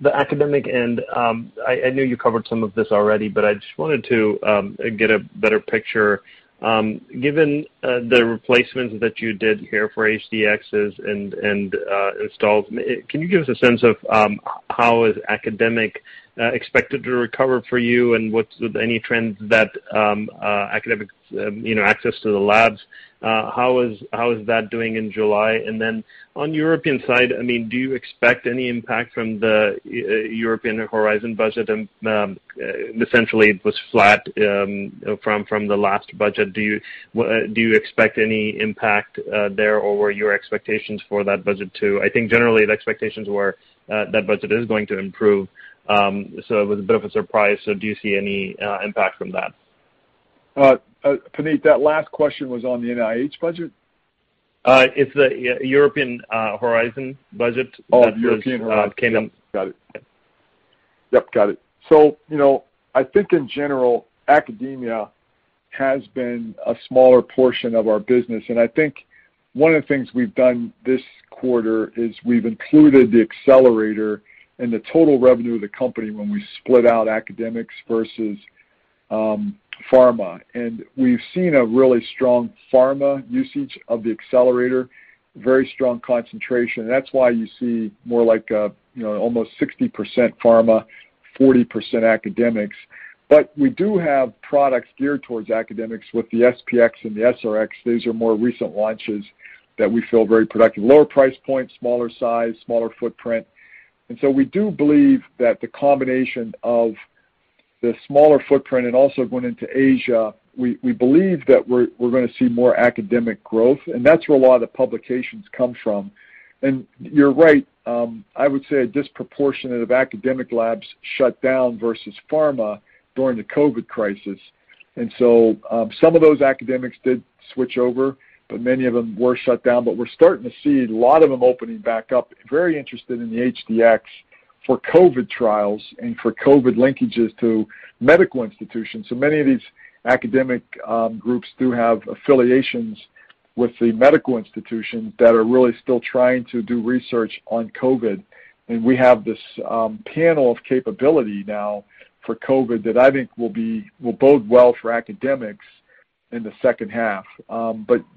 the academic end, I know you covered some of this already, but I just wanted to get a better picture. Given the replacements that you did here for HD-X and installs, can you give us a sense of how is academic expected to recover for you and any trends that academic access to the labs, how is that doing in July? On European side, do you expect any impact from the Horizon Europe budget? Essentially, it was flat from the last budget. Do you expect any impact there, or were your expectations for that budget too? I think generally the expectations were that budget is going to improve, so it was a bit of a surprise, so do you see any impact from that? Puneet, that last question was on the NIH budget? It's the Horizon Europe budget that- Oh, Horizon Europe. came in. Got it. Yep, got it. I think in general, academia has been a smaller portion of our business, and I think one of the things we've done this quarter is we've included the Accelerator and the total revenue of the company when we split out academics versus pharma. We've seen a really strong pharma usage of the Accelerator, very strong concentration. That's why you see more like almost 60% pharma, 40% academics. We do have products geared towards academics with the SP-X and the SR-X. These are more recent launches that we feel very productive. Lower price point, smaller size, smaller footprint. We do believe that the combination of the smaller footprint and also going into Asia, we believe that we're going to see more academic growth, and that's where a lot of the publications come from. You're right, I would say a disproportionate of academic labs shut down versus pharma during the COVID crisis. Some of those academics did switch over, but many of them were shut down. We're starting to see a lot of them opening back up, very interested in the HD-X for COVID trials and for COVID linkages to medical institutions. Many of these academic groups do have affiliations with the medical institutions that are really still trying to do research on COVID. We have this panel of capability now for COVID that I think will bode well for academics in the second half.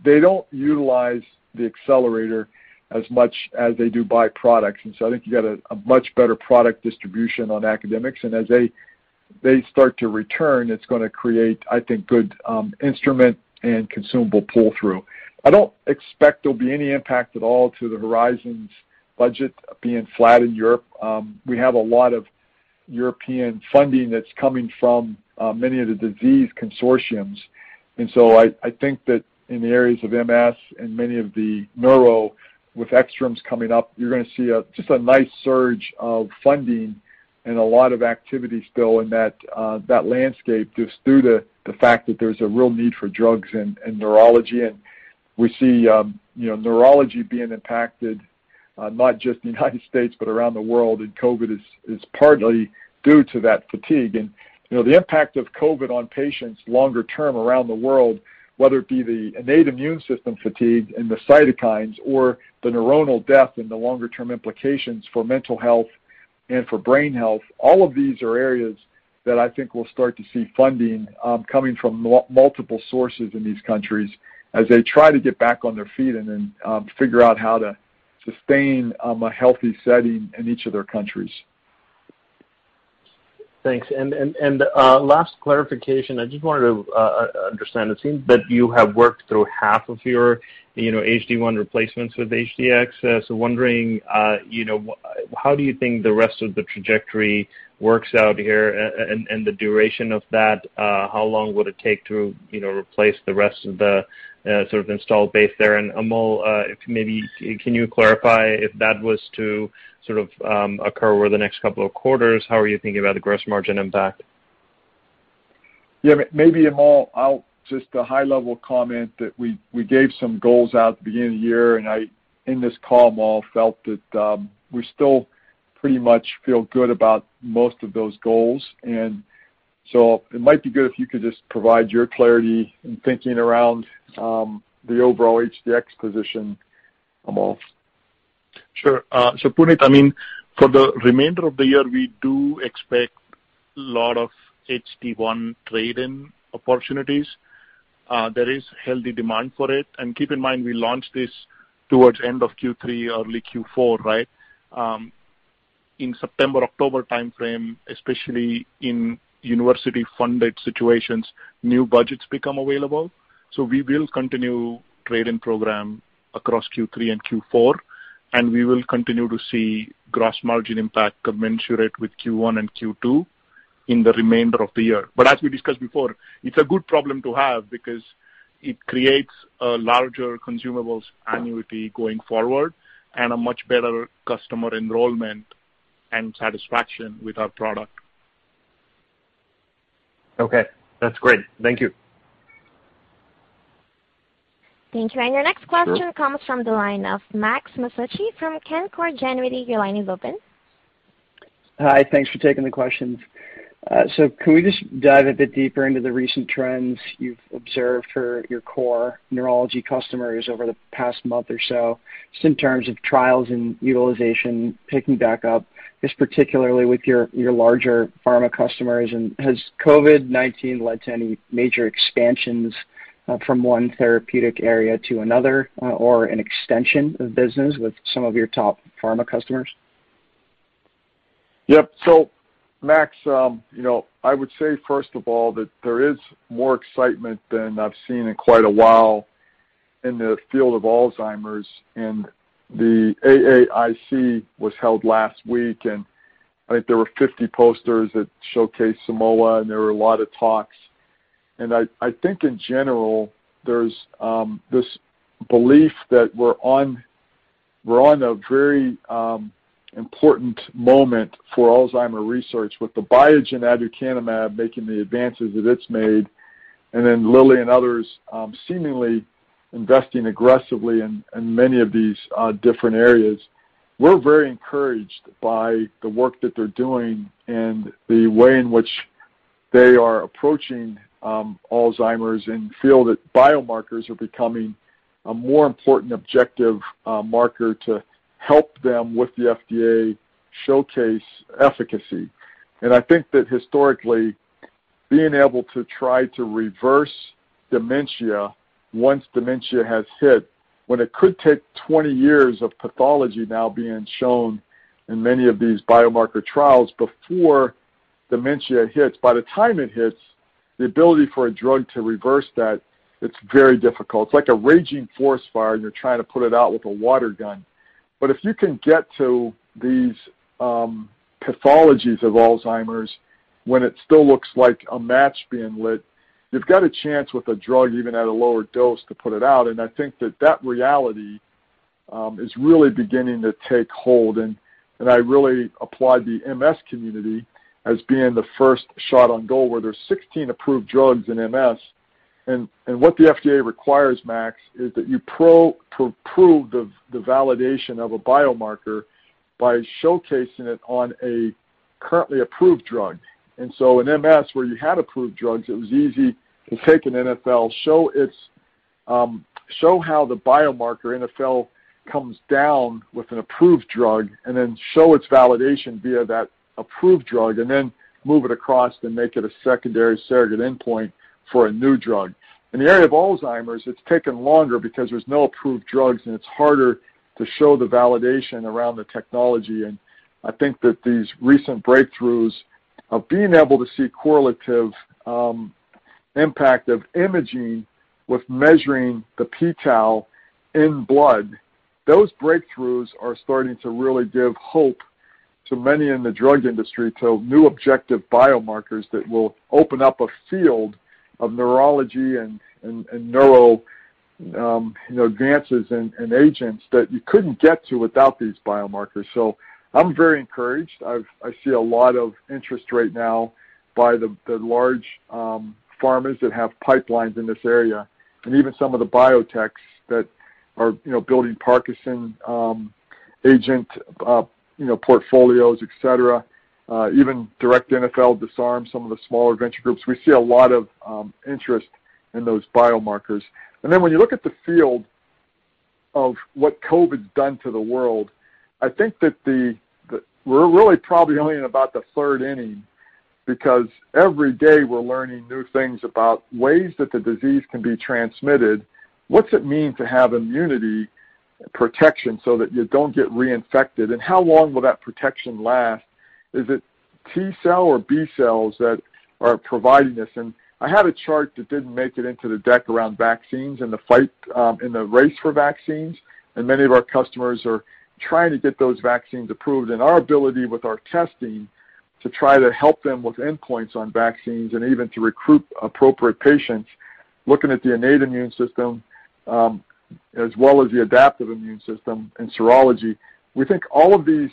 They don't utilize the Accelerator as much as they do buy products. I think you got a much better product distribution on academics. As they start to return, it's going to create, I think, good instrument and consumable pull-through. I don't expect there'll be any impact at all to the Horizon budget being flat in Europe. We have a lot of European funding that's coming from many of the disease consortiums. I think that in the areas of MS and many of the neuro with ECTRIMS coming up, you're going to see just a nice surge of funding and a lot of activity still in that landscape, just due to the fact that there's a real need for drugs in neurology. We see neurology being impacted, not just in the United States, but around the world, and COVID is partly due to that fatigue. The impact of COVID on patients longer term around the world, whether it be the innate immune system fatigue and the cytokines or the neuronal death and the longer-term implications for mental health and for brain health, all of these are areas that I think will start to see funding coming from multiple sources in these countries as they try to get back on their feet and then figure out how to sustain a healthy setting in each of their countries. Thanks. Last clarification, I just wanted to understand. It seems that you have worked through half of your HD-1 replacements with HD-X. Wondering, how do you think the rest of the trajectory works out here and the duration of that? How long would it take to replace the rest of the sort of installed base there? Amal, if maybe can you clarify if that was to sort of occur over the next couple of quarters, how are you thinking about the gross margin impact? Yeah, maybe Amal, I'll just a high-level comment that we gave some goals out at the beginning of the year, and I, in this call, Amal, felt that we still pretty much feel good about most of those goals. It might be good if you could just provide your clarity and thinking around the overall HD-X position, Amal. Sure. Puneet, I mean, for the remainder of the year, we do expect lot of HD-1 trade-in opportunities. There is healthy demand for it. Keep in mind, we launched this towards end of Q3, early Q4, right? In September-October timeframe, especially in university-funded situations, new budgets become available. We will continue trade-in program across Q3 and Q4, and we will continue to see gross margin impact commensurate with Q1 and Q2 in the remainder of the year. As we discussed before, it's a good problem to have because it creates a larger consumables annuity going forward and a much better customer enrollment and satisfaction with our product. Okay, that's great. Thank you. Thank you. Your next question comes from the line of Max Masucci from Canaccord Genuity. Your line is open. Hi. Thanks for taking the questions. Can we just dive a bit deeper into the recent trends you've observed for your core neurology customers over the past month or so, just in terms of trials and utilization picking back up, just particularly with your larger pharma customers? Has COVID-19 led to any major expansions from one therapeutic area to another or an extension of business with some of your top pharma customers? Yep. Max, I would say first of all that there is more excitement than I've seen in quite a while in the field of Alzheimer's, the AAIC was held last week, and I think there were 50 posters that showcased Simoa, and there were a lot of talks. I think in general, there's this belief that we're on a very important moment for Alzheimer's research with the Biogen aducanumab making the advances that it's made, and then Lilly and others seemingly investing aggressively in many of these different areas. We're very encouraged by the work that they're doing and the way in which they are approaching Alzheimer's and feel that biomarkers are becoming a more important objective marker to help them with the FDA showcase efficacy. I think that historically, being able to try to reverse dementia once dementia has hit, when it could take 20 years of pathology now being shown in many of these biomarker trials before dementia hits. By the time it hits, the ability for a drug to reverse that, it's very difficult. It's like a raging forest fire, and you're trying to put it out with a water gun. If you can get to these pathologies of Alzheimer's when it still looks like a match being lit, you've got a chance with a drug, even at a lower dose, to put it out. I think that that reality is really beginning to take hold, and I really applaud the MS community as being the first shot on goal, where there's 16 approved drugs in MS. What the FDA requires, Max, is that you prove the validation of a biomarker by showcasing it on a currently approved drug. In MS, where you had approved drugs, it was easy to take an NfL, show how the biomarker, NfL, comes down with an approved drug, and then show its validation via that approved drug, and then move it across and make it a secondary surrogate endpoint for a new drug. In the area of Alzheimer's, it's taken longer because there's no approved drugs, and it's harder to show the validation around the technology. I think that these recent breakthroughs of being able to see correlative impact of imaging with measuring the p-tau in blood, those breakthroughs are starting to really give hope to many in the drug industry to new objective biomarkers that will open up a field of neurology and neural advances and agents that you couldn't get to without these biomarkers. I'm very encouraged. I see a lot of interest right now by the large pharmas that have pipelines in this area, and even some of the biotechs that are building Parkinson's agent portfolios, et cetera. Even direct NfL Disarm some of the smaller venture groups. We see a lot of interest in those biomarkers. When you look at the field of what COVID's done to the world, I think that we're really probably only in about the third inning, because every day we're learning new things about ways that the disease can be transmitted. What's it mean to have immunity protection so that you don't get reinfected, and how long will that protection last? Is it T cell or B cells that are providing this? I had a chart that didn't make it into the deck around vaccines and the race for vaccines, and many of our customers are trying to get those vaccines approved, and our ability with our testing to try to help them with endpoints on vaccines and even to recruit appropriate patients, looking at the innate immune system, as well as the adaptive immune system and serology. We think all of these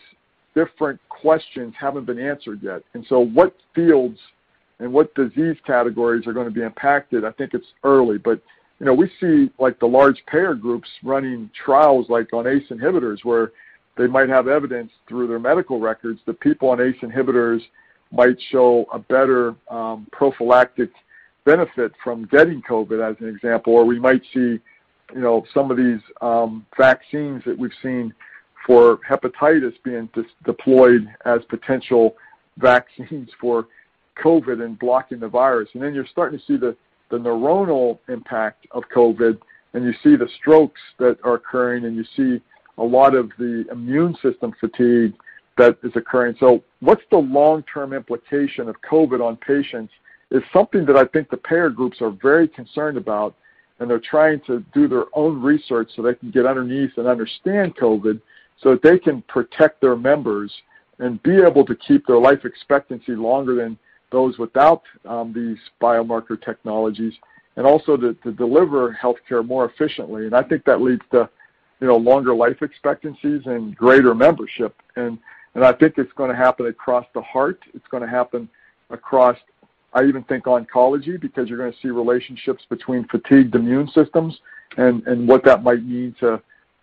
different questions haven't been answered yet. What fields and what disease categories are going to be impacted? I think it's early, but we see the large payer groups running trials like on ACE inhibitors, where they might have evidence through their medical records that people on ACE inhibitors might show a better prophylactic benefit from getting COVID, as an example. We might see some of these vaccines that we've seen for hepatitis being deployed as potential vaccines for COVID and blocking the virus. You're starting to see the neuronal impact of COVID, and you see the strokes that are occurring, and you see a lot of the immune system fatigue that is occurring. What's the long-term implication of COVID on patients is something that I think the payer groups are very concerned about, and they're trying to do their own research so they can get underneath and understand COVID so that they can protect their members and be able to keep their life expectancy longer than those without these biomarker technologies, and also to deliver healthcare more efficiently. I think that leads to longer life expectancies and greater membership. I think it's going to happen across the heart. It's going to happen across, I even think, oncology, because you're going to see relationships between fatigued immune systems and what that might mean to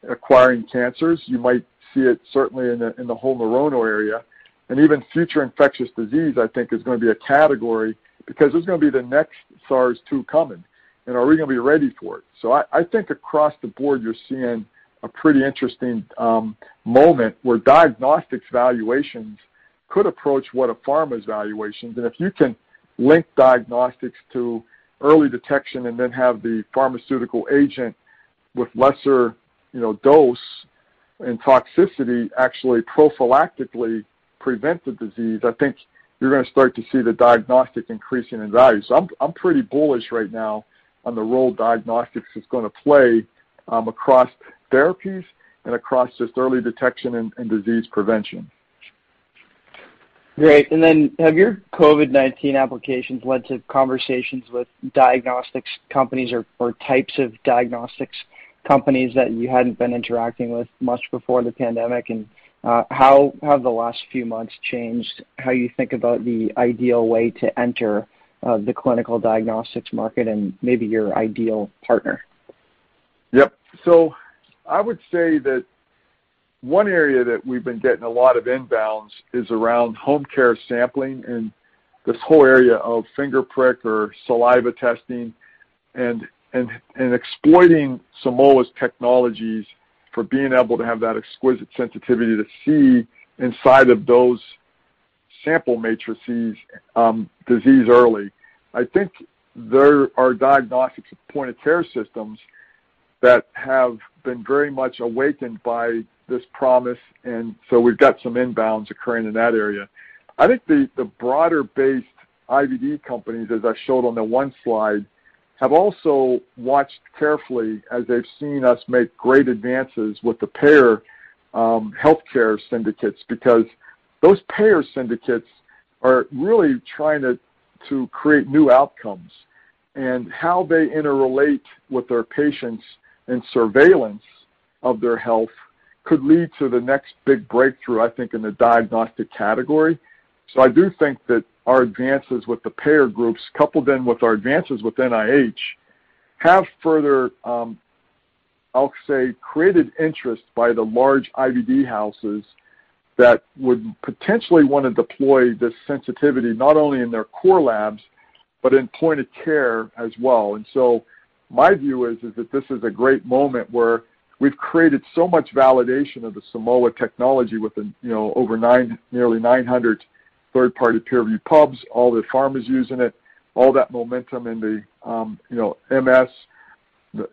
acquiring cancers. You might see it certainly in the whole neuronal area. Even future infectious disease, I think, is going to be a category, because who's going to be the next SARS 2 coming, and are we going to be ready for it? I think across the board, you're seeing a pretty interesting moment where diagnostics valuations could approach what a pharma's valuation. If you can link diagnostics to early detection and then have the pharmaceutical agent with lesser dose and toxicity actually prophylactically prevent the disease, I think you're going to start to see the diagnostic increasing in value. I'm pretty bullish right now on the role diagnostics is going to play across therapies and across just early detection and disease prevention. Great. Have your COVID-19 applications led to conversations with diagnostics companies or types of diagnostics companies that you hadn't been interacting with much before the pandemic? How have the last few months changed how you think about the ideal way to enter the clinical diagnostics market and maybe your ideal partner? Yep. I would say that one area that we've been getting a lot of inbounds is around home care sampling and this whole area of finger prick or saliva testing and exploiting Simoa technologies for being able to have that exquisite sensitivity to see inside of those sample matrices disease early. I think there are diagnostics point-of-care systems that have been very much awakened by this promise, we've got some inbounds occurring in that area. I think the broader-based IVD companies, as I showed on the one slide, have also watched carefully as they've seen us make great advances with the payer healthcare syndicates because those payer syndicates are really trying to create new outcomes, and how they interrelate with their patients and surveillance of their health could lead to the next big breakthrough, I think, in the diagnostic category. I do think that our advances with the payer groups, coupled in with our advances with NIH, have further, I'll say, created interest by the large IVD houses that would potentially want to deploy this sensitivity, not only in their core labs but in point of care as well. My view is that this is a great moment where we've created so much validation of the Simoa technology with nearly 900 third-party peer-review pubs, all the pharmas using it, all that momentum in the MS,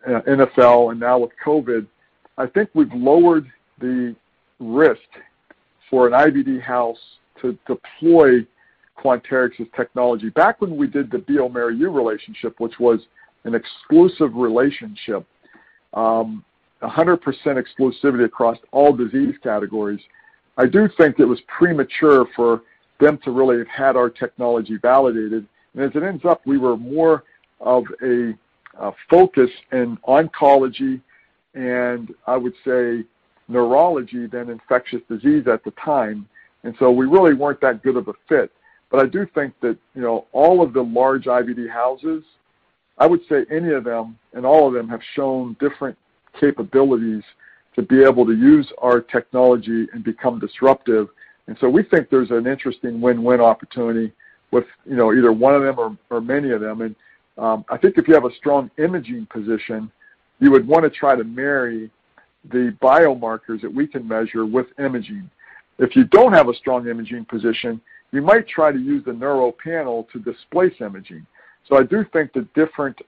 NfL, and now with COVID. I think we've lowered the risk for an IVD house to deploy Quanterix's technology. Back when we did the bioMérieux relationship, which was an exclusive relationship, 100% exclusivity across all disease categories. I do think it was premature for them to really have had our technology validated. As it ends up, we were more of a focus in oncology and I would say neurology than infectious disease at the time. We really weren't that good of a fit. I do think that all of the large IVD houses, I would say any of them and all of them have shown different capabilities to be able to use our technology and become disruptive. We think there's an interesting win-win opportunity with either one of them or many of them. I think if you have a strong imaging position, you would want to try to marry the biomarkers that we can measure with imaging. If you don't have a strong imaging position, you might try to use the neuro panel to displace imaging. I do think the different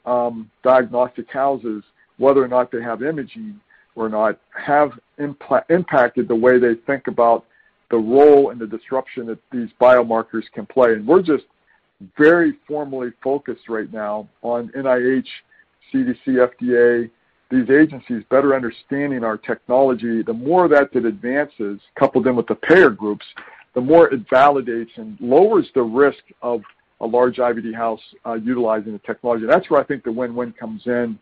diagnostic houses, whether or not they have imaging or not, have impacted the way they think about the role and the disruption that these biomarkers can play. We're just very formally focused right now on NIH, CDC, FDA, these agencies better understanding our technology. The more that it advances, coupled in with the payer groups, the more it validates and lowers the risk of a large IVD house utilizing the technology. That's where I think the win-win comes in,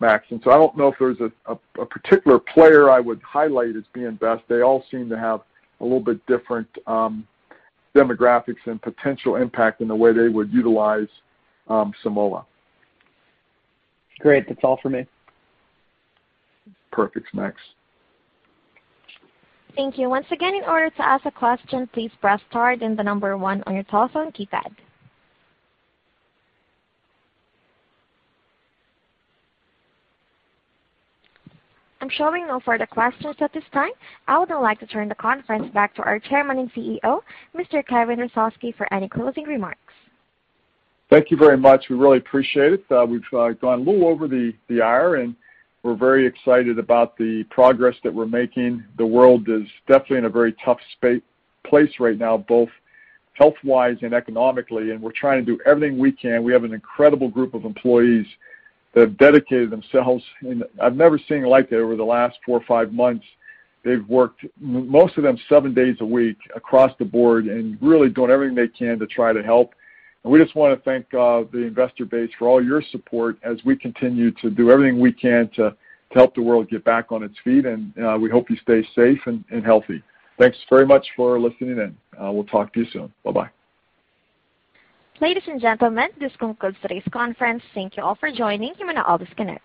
Max. I don't know if there's a particular player I would highlight as being best. They all seem to have a little bit different demographics and potential impact in the way they would utilize Simoa. Great. That's all for me. Perfect, Max. Thank you. Once again, in order to ask a question, please press star then the number 1 on your telephone keypad. I'm showing no further questions at this time. I would now like to turn the conference back to our Chairman and CEO, Mr. Kevin Hrusovsky, for any closing remarks. Thank you very much. We really appreciate it. We've gone a little over the hour, and we're very excited about the progress that we're making. The world is definitely in a very tough place right now, both health-wise and economically, and we're trying to do everything we can. We have an incredible group of employees that have dedicated themselves, and I've never seen like it over the last four or five months. They've worked, most of them, seven days a week across the board and really doing everything they can to try to help. We just want to thank the investor base for all your support as we continue to do everything we can to help the world get back on its feet, and we hope you stay safe and healthy. Thanks very much for listening in. We'll talk to you soon. Bye-bye. Ladies and gentlemen, this concludes today's conference. Thank you all for joining. You may now disconnect.